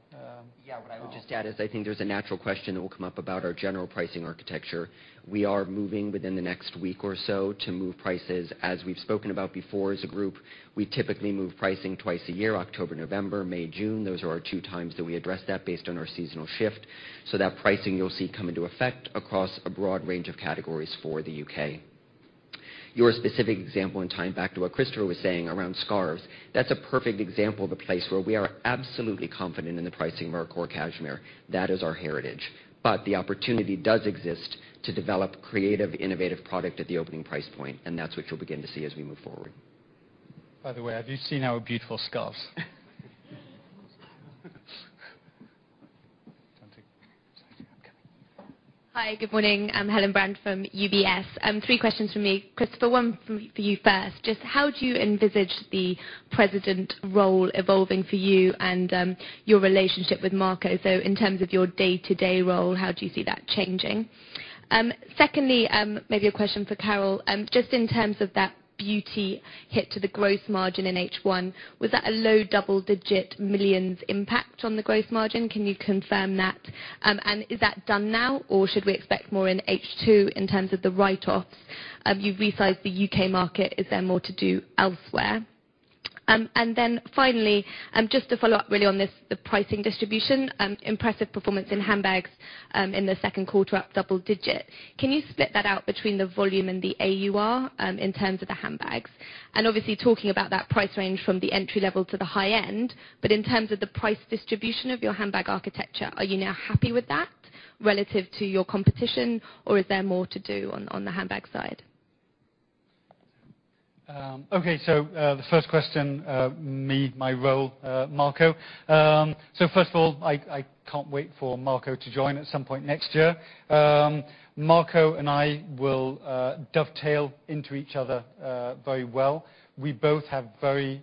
Yeah. What I would just add is I think there's a natural question that will come up about our general pricing architecture. We are moving within the next week or so to move prices. As we've spoken about before, as a group, we typically move pricing twice a year, October, November, May, June. Those are our two times that we address that based on our seasonal shift. That pricing you'll see come into effect across a broad range of categories for the U.K. Your specific example and tying back to what Christopher was saying around scarves, that's a perfect example of a place where we are absolutely confident in the pricing of our core cashmere. That is our heritage. The opportunity does exist to develop creative, innovative product at the opening price point, that's what you'll begin to see as we move forward. By the way, have you seen our beautiful scarves? Do you want to take the next one? Okay.
Hi. Good morning. I'm Helen Brand from UBS. Three questions from me. Christopher, one for you first. Just how do you envisage the President role evolving for you and your relationship with Marco? In terms of your day-to-day role, how do you see that changing? Secondly, maybe a question for Carol. Just in terms of that beauty hit to the gross margin in H1, was that a low double-digit millions impact on the gross margin? Can you confirm that? Is that done now, or should we expect more in H2 in terms of the write-offs? You've resized the U.K. market. Is there more to do elsewhere? Finally, just to follow up really on this, the pricing distribution. Impressive performance in handbags in the second quarter, up double digit. Can you split that out between the volume and the AUR in terms of the handbags? Obviously talking about that price range from the entry level to the high end, in terms of the price distribution of your handbag architecture, are you now happy with that relative to your competition, or is there more to do on the handbag side?
Okay. The first question, me, my role, Marco. First of all, I can't wait for Marco to join at some point next year. Marco and I will dovetail into each other very well. We both have very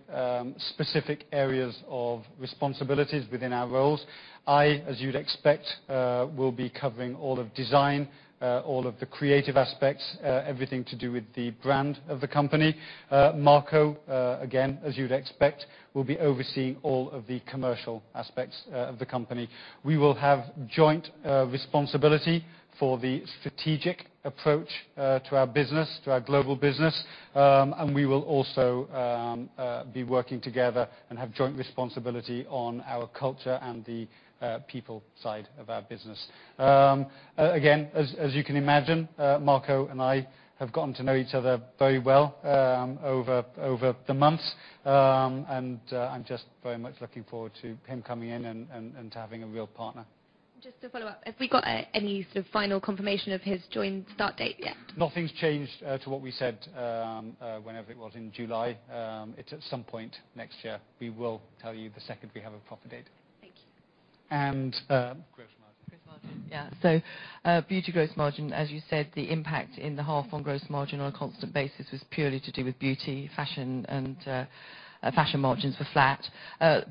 specific areas of responsibilities within our roles. I, as you'd expect, will be covering all of design, all of the creative aspects, everything to do with the brand of the company. Marco, again, as you'd expect, will be overseeing all of the commercial aspects of the company. We will have joint responsibility for the strategic approach to our business, to our global business, and we will also be working together and have joint responsibility on our culture and the people side of our business. Again, as you can imagine, Marco and I have gotten to know each other very well over the months. I'm just very much looking forward to him coming in and to having a real partner.
Just to follow up, have we got any sort of final confirmation of his start date yet?
Nothing's changed to what we said, whenever it was in July. It's at some point next year. We will tell you the second we have a proper date.
Thank you.
And-
Gross margin.
Gross margin. Yeah. Beauty gross margin, as you said, the impact in the half on gross margin on a constant basis was purely to do with beauty. Fashion margins were flat.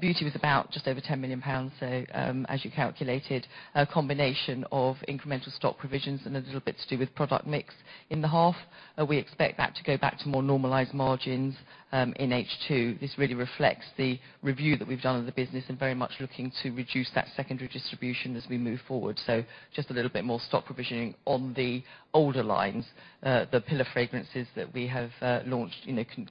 Beauty was about just over 10 million pounds. As you calculated, a combination of incremental stock provisions and a little bit to do with product mix in the half. We expect that to go back to more normalized margins in H2. This really reflects the review that we've done of the business and very much looking to reduce that secondary distribution as we move forward. Just a little bit more stock provisioning on the older lines. The pillar fragrances that we have launched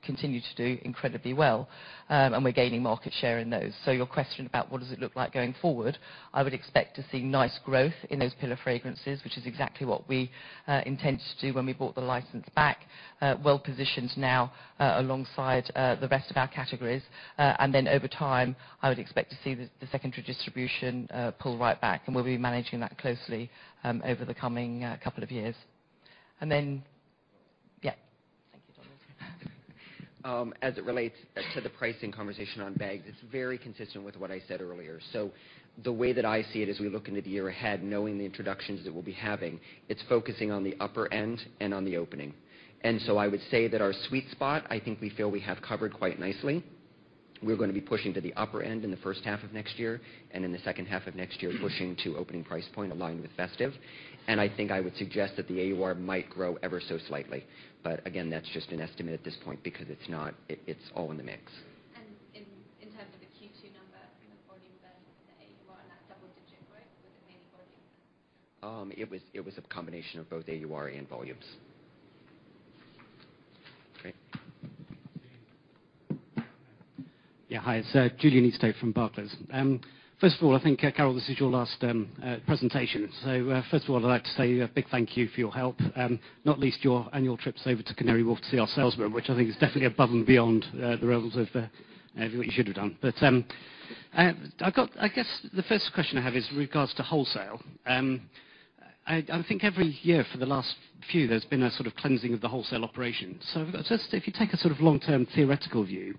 continue to do incredibly well, and we're gaining market share in those. Your question about what does it look like going forward, I would expect to see nice growth in those pillar fragrances, which is exactly what we intended to do when we bought the license back. Well positioned now, alongside the rest of our categories. Over time, I would expect to see the secondary distribution pull right back, and we'll be managing that closely over the coming couple of years. Yeah. Thank you, Donald.
As it relates to the pricing conversation on bags, it's very consistent with what I said earlier. The way that I see it, as we look into the year ahead, knowing the introductions that we'll be having, it's focusing on the upper end and on the opening. I would say that our sweet spot, I think we feel we have covered quite nicely. We're going to be pushing to the upper end in the first half of next year and in the second half of next year, pushing to opening price point aligned with festive. I think I would suggest that the AUR might grow ever so slightly. Again, that's just an estimate at this point because it's all in the mix.
In terms of the Q2 number in the volume, the AUR and that double-digit growth was in any volume?
It was a combination of both AUR and volumes. Great.
Hi, it's Julian Easthope from Barclays. First of all, I think, Carol, this is your last presentation. First of all, I'd like to say a big thank you for your help, not least your annual trips over to Canary Wharf to see our sales room, which I think is definitely above and beyond the realms of everything you should have done. I guess the first question I have is with regards to wholesale. I think every year for the last few, there's been a sort of cleansing of the wholesale operation. Just if you take a sort of long-term theoretical view,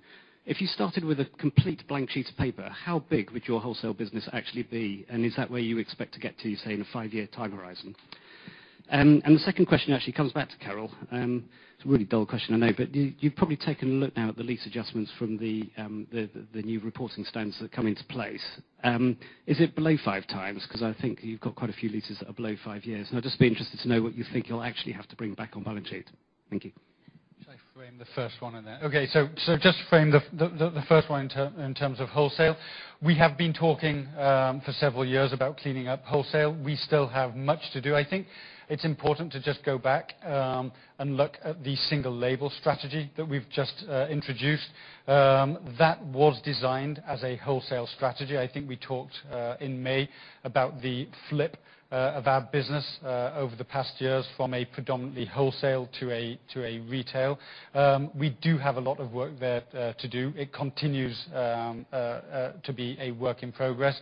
if you started with a complete blank sheet of paper, how big would your wholesale business actually be? Is that where you expect to get to, say, in a five-year time horizon? The second question actually comes back to Carol. It's a really dull question, I know, but you've probably taken a look now at the lease adjustments from the new reporting standards that come into place. Is it below five times? Because I think you've got quite a few leases that are below five years. I'd just be interested to know what you think you'll actually have to bring back on balance sheet. Thank you.
Shall I frame the first one in that? Just to frame the first one in terms of wholesale. We have been talking for several years about cleaning up wholesale. We still have much to do. I think it's important to just go back and look at the single label strategy that we've just introduced. That was designed as a wholesale strategy. I think we talked in May about the flip of our business over the past years from a predominantly wholesale to a retail. We do have a lot of work there to do. It continues to be a work in progress.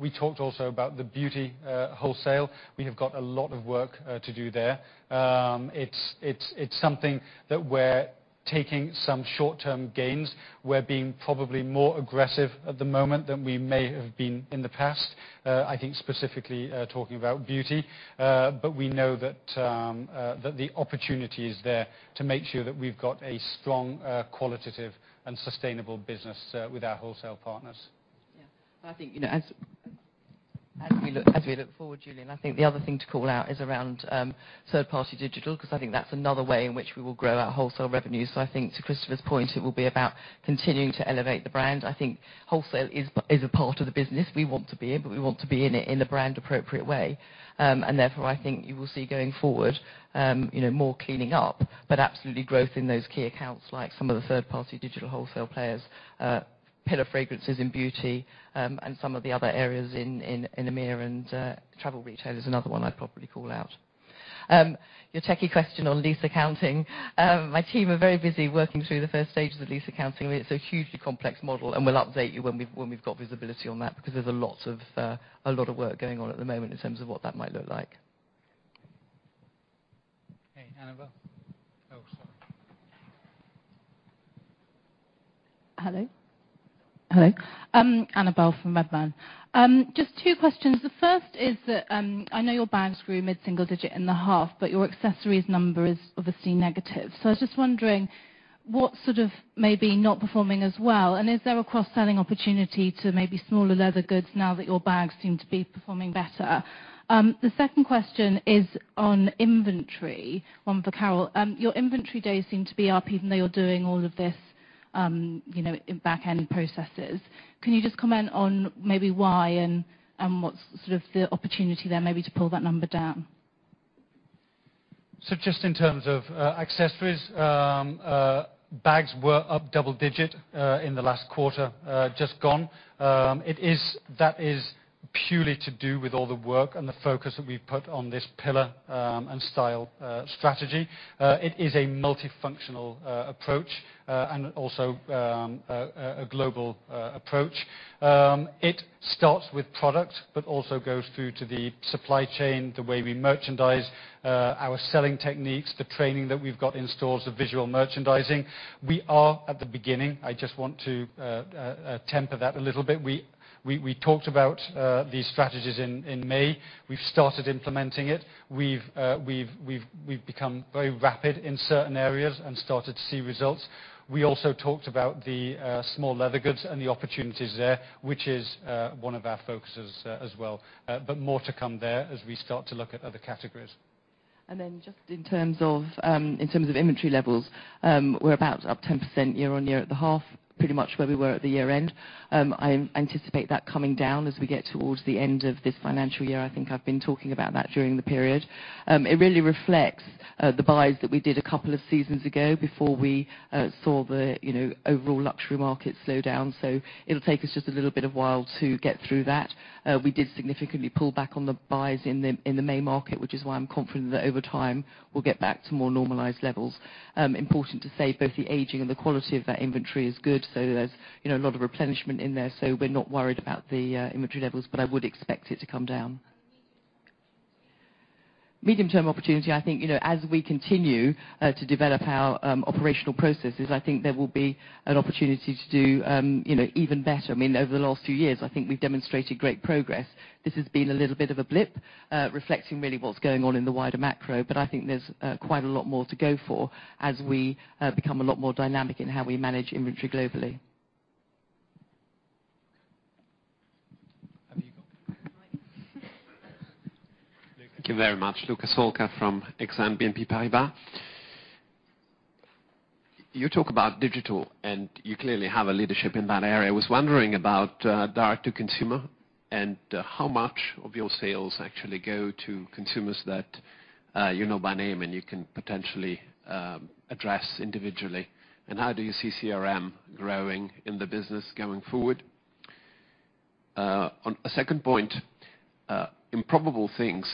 We talked also about the beauty wholesale. We have got a lot of work to do there. It's something that we're taking some short-term gains. We're being probably more aggressive at the moment than we may have been in the past. I think specifically talking about beauty. We know that the opportunity is there to make sure that we've got a strong qualitative and sustainable business with our wholesale partners.
Yeah. I think as we look forward, Julian, I think the other thing to call out is around third-party digital, because I think that's another way in which we will grow our wholesale revenue. I think to Christopher's point, it will be about continuing to elevate the brand. I think wholesale is a part of the business. We want to be in it, but we want to be in it in a brand appropriate way. Therefore, I think you will see going forward more cleaning up, but absolutely growth in those key accounts like some of the third-party digital wholesale players, pillar fragrances in beauty, and some of the other areas in EMEIA and travel retail is another one I'd probably call out. Your techie question on lease accounting. My team are very busy working through the first stages of lease accounting. It's a hugely complex model. We'll update you when we've got visibility on that because there's a lot of work going on at the moment in terms of what that might look like.
Hey, Annabel. Oh, sorry.
Hello? Hello. Annabel from Redburn. Just two questions. The first is that I know your bags grew mid-single digit in the half, but your accessories number is obviously negative. I was just wondering what sort of may be not performing as well, and is there a cross-selling opportunity to maybe smaller leather goods now that your bags seem to be performing better? The second question is on inventory, one for Carol. Your inventory days seem to be up even though you're doing all of this in back-end processes. Can you just comment on maybe why, and what's the opportunity there maybe to pull that number down?
Just in terms of accessories, bags were up double digit in the last quarter just gone. That is purely to do with all the work and the focus that we've put on this pillar and style strategy. It is a multifunctional approach, and also a global approach. It starts with product, but also goes through to the supply chain, the way we merchandise, our selling techniques, the training that we've got in stores, the visual merchandising. We are at the beginning. I just want to temper that a little bit. We talked about these strategies in May. We've started implementing it. We've become very rapid in certain areas and started to see results. We also talked about the small leather goods and the opportunities there, which is one of our focuses as well. More to come there as we start to look at other categories.
Just in terms of inventory levels, we're about up 10% year-on-year at the half. Pretty much where we were at the year-end. I anticipate that coming down as we get towards the end of this financial year. I think I've been talking about that during the period. It really reflects the buys that we did a couple of seasons ago before we saw the overall luxury market slow down. It'll take us just a little bit of while to get through that. We did significantly pull back on the buys in the May market, which is why I'm confident that over time we'll get back to more normalized levels. Important to say, both the aging and the quality of that inventory is good, so there's a lot of replenishment in there. We're not worried about the inventory levels, but I would expect it to come down. Medium-term opportunity, I think, as we continue to develop our operational processes, I think there will be an opportunity to do even better. Over the last few years, I think we've demonstrated great progress. This has been a little bit of a blip, reflecting really what's going on in the wider macro. I think there's quite a lot more to go for as we become a lot more dynamic in how we manage inventory globally.
Have you got Luca
Thank you very much. Luca Solca from Exane BNP Paribas. You talk about digital, and you clearly have a leadership in that area. I was wondering about direct to consumer and how much of your sales actually go to consumers that you know by name and you can potentially address individually, and how do you see CRM growing in the business going forward? On a second point, improbable things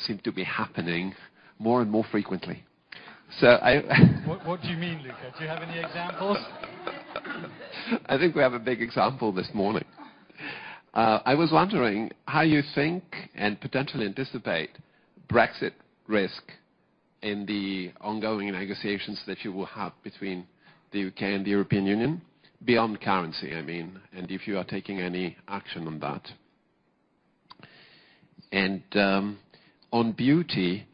seem to be happening more and more frequently.
What do you mean, Luca? Do you have any examples?
I think we have a big example this morning. I was wondering how you think and potentially anticipate Brexit risk in the ongoing negotiations that you will have between the U.K. and the European Union, beyond currency, I mean, and if you are taking any action on that. On beauty,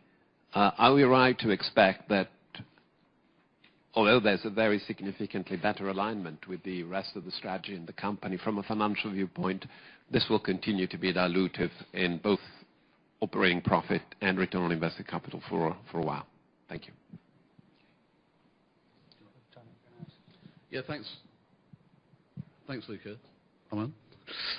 are we right to expect that although there's a very significantly better alignment with the rest of the strategy in the company from a financial viewpoint, this will continue to be dilutive in both operating profit and return on invested capital for a while? Thank you.
Do you want to comment on that?
Yeah. Thanks, Luca. Come on.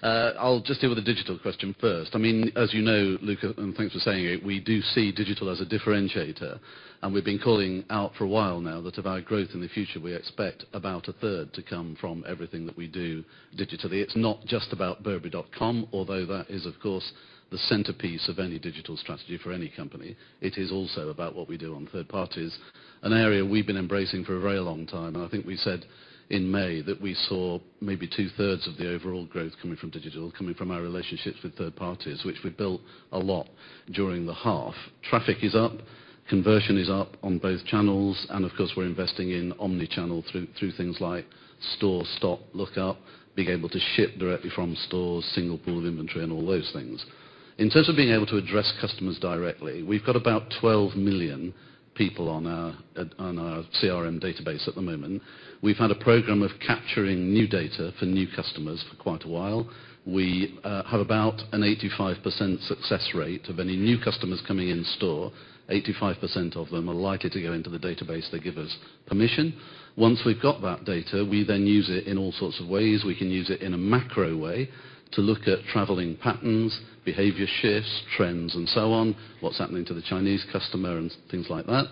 I'll just deal with the digital question first. As you know, Luca, and thanks for saying it, we do see digital as a differentiator, and we've been calling out for a while now that of our growth in the future, we expect about a third to come from everything that we do digitally. It's not just about burberry.com, although that is, of course, the centerpiece of any digital strategy for any company. It is also about what we do on third parties, an area we've been embracing for a very long time, and I think we said in May that we saw maybe two-thirds of the overall growth coming from digital, coming from our relationships with third parties, which we built a lot during the half. Traffic is up, conversion is up on both channels. Of course, we're investing in omni-channel through things like store stock lookup, being able to ship directly from stores, single pool of inventory, and all those things. In terms of being able to address customers directly, we've got about 12 million people on our CRM database at the moment. We've had a program of capturing new data for new customers for quite a while. We have about an 85% success rate of any new customers coming in store. 85% of them are likely to go into the database. They give us permission. Once we've got that data, we then use it in all sorts of ways. We can use it in a macro way to look at traveling patterns, behavior shifts, trends and so on, what's happening to the Chinese customer and things like that.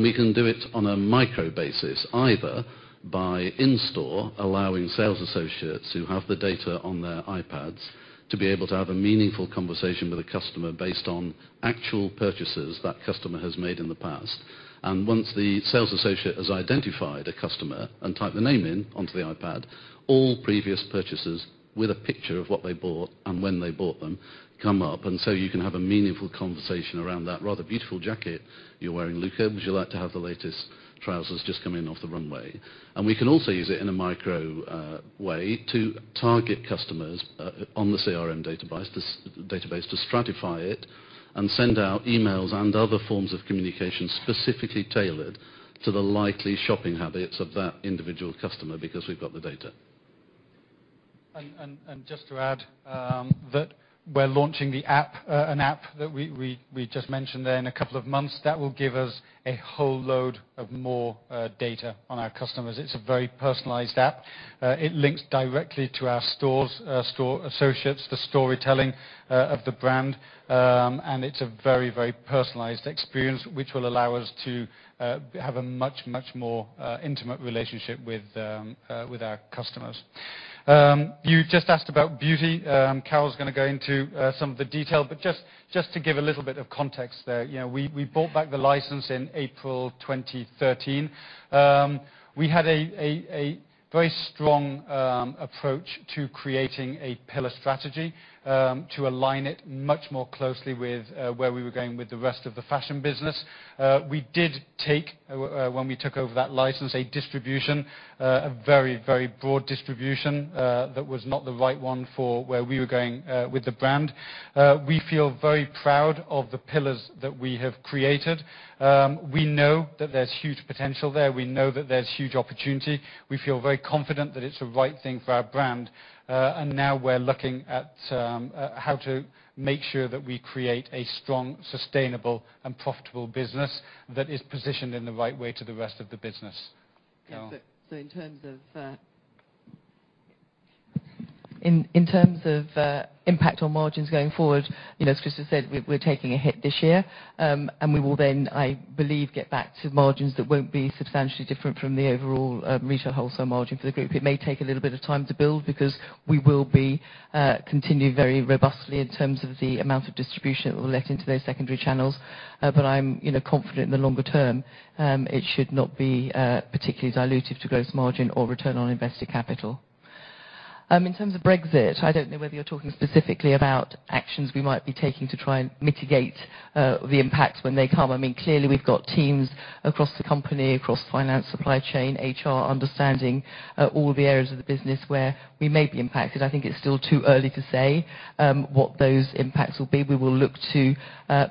We can do it on a micro basis, either by in-store, allowing sales associates who have the data on their iPads to be able to have a meaningful conversation with a customer based on actual purchases that customer has made in the past. Once the sales associate has identified a customer and type the name in onto the iPad, all previous purchases with a picture of what they bought and when they bought them come up, and so you can have a meaningful conversation around, "That rather beautiful jacket you're wearing, Luca. Would you like to have the latest trousers just come in off the runway?" We can also use it in a micro way to target customers on the CRM database to stratify it and send out emails and other forms of communication specifically tailored to the likely shopping habits of that individual customer, because we've got the data.
Just to add, that we're launching an app that we just mentioned there in a couple of months, that will give us a whole load of more data on our customers. It's a very personalized app. It links directly to our stores, store associates, the storytelling of the brand. It's a very personalized experience, which will allow us to have a much more intimate relationship with our customers. You just asked about beauty. Carol's going to go into some of the detail, but just to give a little bit of context there. We bought back the license in April 2013. We had a very strong approach to creating a pillar strategy, to align it much more closely with where we were going with the rest of the fashion business. We did take, when we took over that license, a distribution, a very broad distribution, that was not the right one for where we were going with the brand. We feel very proud of the pillars that we have created. We know that there's huge potential there. We know that there's huge opportunity. We feel very confident that it's the right thing for our brand. Now we're looking at how to make sure that we create a strong, sustainable, and profitable business that is positioned in the right way to the rest of the business. Carol.
In terms of impact on margins going forward, as Christopher said, we're taking a hit this year. We will then, I believe, get back to margins that won't be substantially different from the overall retail wholesale margin for the group. It may take a little bit of time to build because we will be continuing very robustly in terms of the amount of distribution that we'll let into those secondary channels. I'm confident in the longer term, it should not be particularly dilutive to gross margin or return on invested capital. In terms of Brexit, I don't know whether you're talking specifically about actions we might be taking to try and mitigate the impacts when they come. Clearly, we've got teams across the company, across finance, supply chain, HR, understanding all the areas of the business where we may be impacted. I think it's still too early to say what those impacts will be. We will look to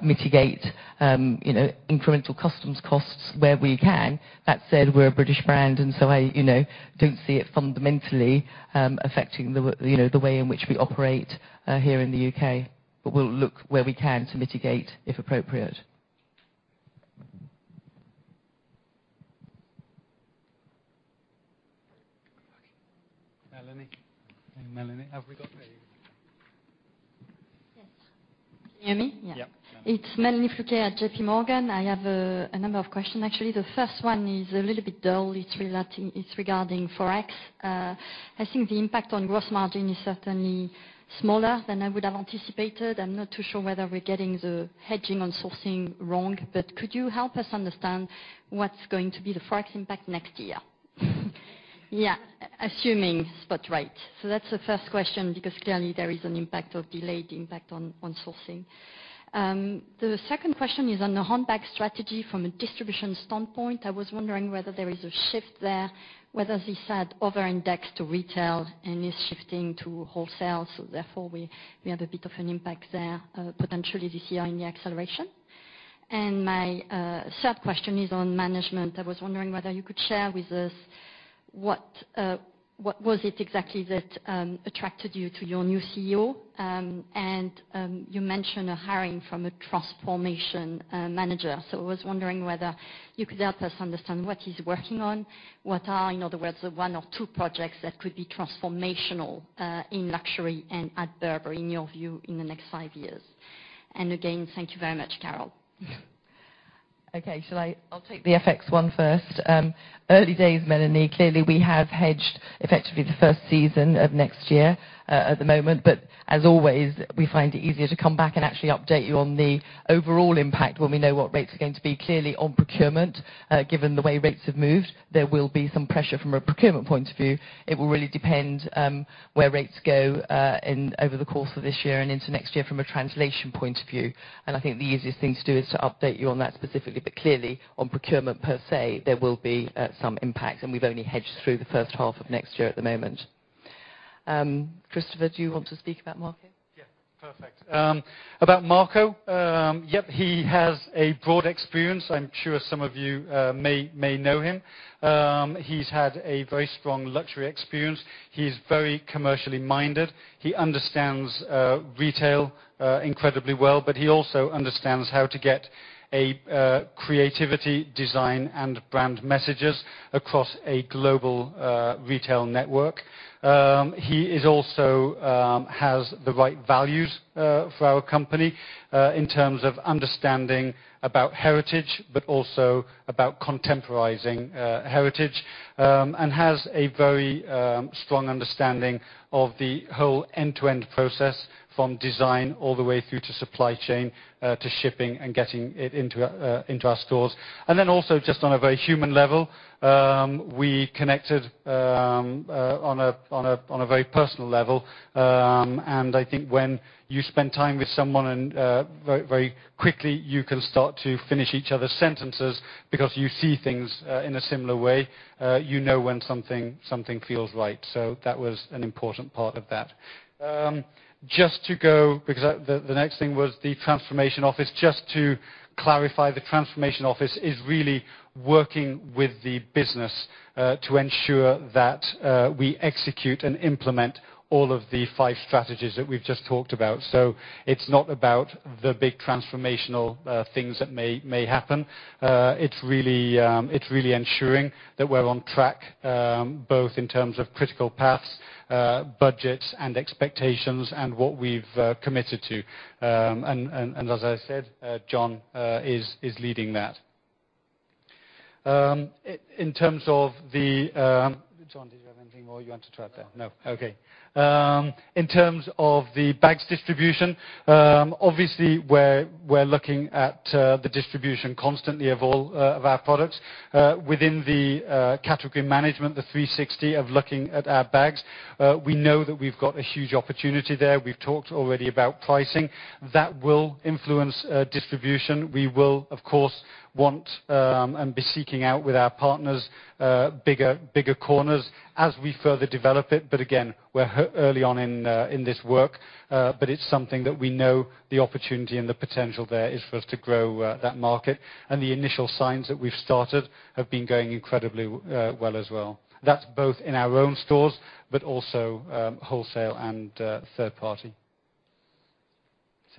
mitigate incremental customs costs where we can. That said, we're a British brand, and so I don't see it fundamentally affecting the way in which we operate here in the U.K. We'll look where we can to mitigate, if appropriate.
Melanie. Have we got Melanie?
Yes. Can you hear me?
Yeah.
It's Melanie Flouquet at JPMorgan. I have a number of questions, actually. The first one is a little bit dull. It's regarding Forex. I think the impact on gross margin is certainly smaller than I would have anticipated. I'm not too sure whether we're getting the hedging on sourcing wrong, but could you help us understand what's going to be the Forex impact next year, assuming spot rate? That's the first question because clearly, there is an impact or delayed impact on sourcing. The second question is on the handbag strategy from a distribution standpoint. I was wondering whether there is a shift there, whether this had over-indexed to retail and is shifting to wholesale. Therefore, we have a bit of an impact there, potentially this year in the acceleration. My third question is on management. I was wondering whether you could share with us what was it exactly that attracted you to your new CEO? You mentioned a hiring from a transformation manager. I was wondering whether you could help us understand what he's working on, what are, in other words, the one or two projects that could be transformational in luxury and at Burberry, in your view, in the next five years. Again, thank you very much, Carol.
Okay. I'll take the FX one first. Early days, Melanie. Clearly, we have hedged effectively the first season of next year at the moment. As always, we find it easier to come back and actually update you on the overall impact when we know what rates are going to be. Clearly, on procurement, given the way rates have moved, there will be some pressure from a procurement point of view. It will really depend where rates go over the course of this year and into next year from a translation point of view. I think the easiest thing to do is to update you on that specifically. Clearly, on procurement per se, there will be some impact, and we've only hedged through the first half of next year at the moment. Christopher, do you want to speak about Marco?
Perfect. About Marco, he has a broad experience. I'm sure some of you may know him. He's had a very strong luxury experience. He's very commercially minded. He understands retail incredibly well, but he also understands how to get a creativity, design, and brand messages across a global retail network. He also has the right values for our company, in terms of understanding about heritage, but also about contemporizing heritage, and has a very strong understanding of the whole end-to-end process from design all the way through to supply chain, to shipping and getting it into our stores. Then also just on a very human level, we connected on a very personal level. I think when you spend time with someone and very quickly you can start to finish each other's sentences because you see things in a similar way, you know when something feels right. That was an important part of that. The next thing was the transformation office. Just to clarify, the transformation office is really working with the business, to ensure that we execute and implement all of the five strategies that we've just talked about. It's not about the big transformational things that may happen. It's really ensuring that we're on track, both in terms of critical paths, budgets, and expectations and what we've committed to. As I said, John is leading that. John, did you have anything more you want to talk about?
No.
No. Okay. In terms of the bags distribution, obviously we're looking at the distribution constantly of all of our products within the category management, the 360 of looking at our bags. We know that we've got a huge opportunity there. We've talked already about pricing. That will influence distribution. We will of course, want, and be seeking out with our partners, bigger corners as we further develop it. Again, we're early on in this work. It's something that we know the opportunity and the potential there is for us to grow that market. The initial signs that we've started have been going incredibly well as well. That's both in our own stores but also wholesale and third party.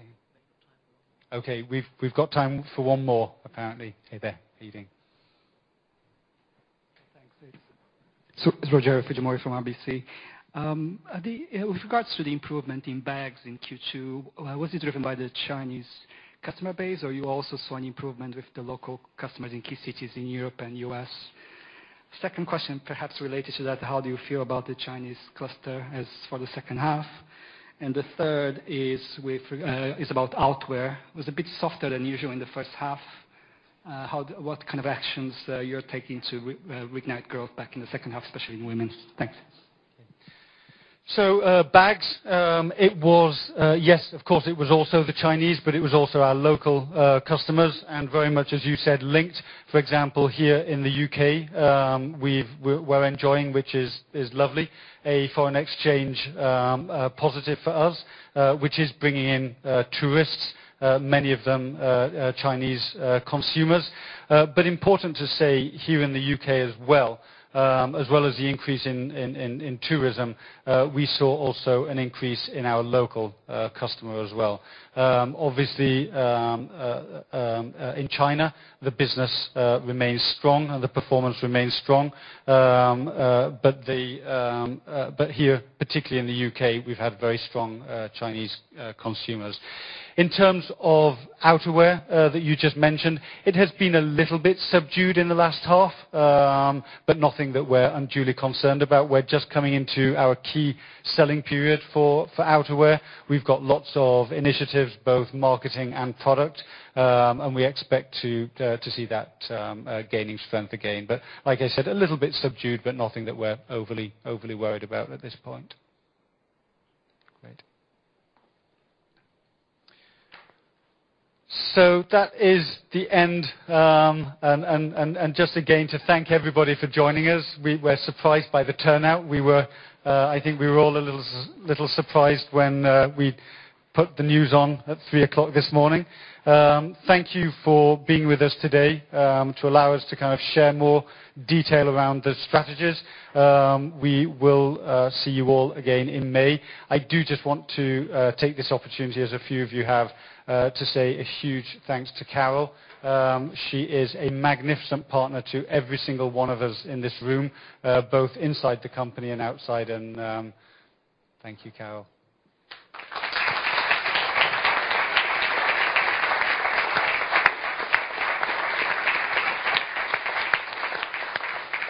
We've got time for one more.
Okay. We've got time for one more, apparently. Hey there. Evening.
Thanks. It's Rogerio Fujimori from RBC. With regards to the improvement in bags in Q2, was it driven by the Chinese customer base, or you also saw an improvement with the local customers in key cities in Europe and U.S.? Second question perhaps related to that, how do you feel about the Chinese cluster as for the second half? The third is about outwear. It was a bit softer than usual in the first half. What kind of actions you're taking to reignite growth back in the second half, especially in women's? Thanks.
Bags, yes, of course it was also the Chinese, but it was also our local customers and very much as you said, linked, for example, here in the U.K., we're enjoying, which is lovely, a foreign exchange positive for us, which is bringing in tourists, many of them Chinese consumers. Important to say here in the U.K. as well, as well as the increase in tourism, we saw also an increase in our local customer as well. Obviously, in China, the business remains strong and the performance remains strong. Here, particularly in the U.K., we've had very strong Chinese consumers. In terms of outwear that you just mentioned, it has been a little bit subdued in the last half, but nothing that we're unduly concerned about. We're just coming into our key selling period for outwear. We've got lots of initiatives, both marketing and product. We expect to see that gaining strength again, but like I said, a little bit subdued, but nothing that we're overly worried about at this point. Great. That is the end. Just again, to thank everybody for joining us. We were surprised by the turnout. I think we were all a little surprised when we put the news on at 3:00 A.M. this morning. Thank you for being with us today, to allow us to kind of share more detail around the strategies. We will see you all again in May. I do just want to take this opportunity as a few of you have, to say a huge thanks to Carol. She is a magnificent partner to every single one of us in this room, both inside the company and outside. Thank you, Carol.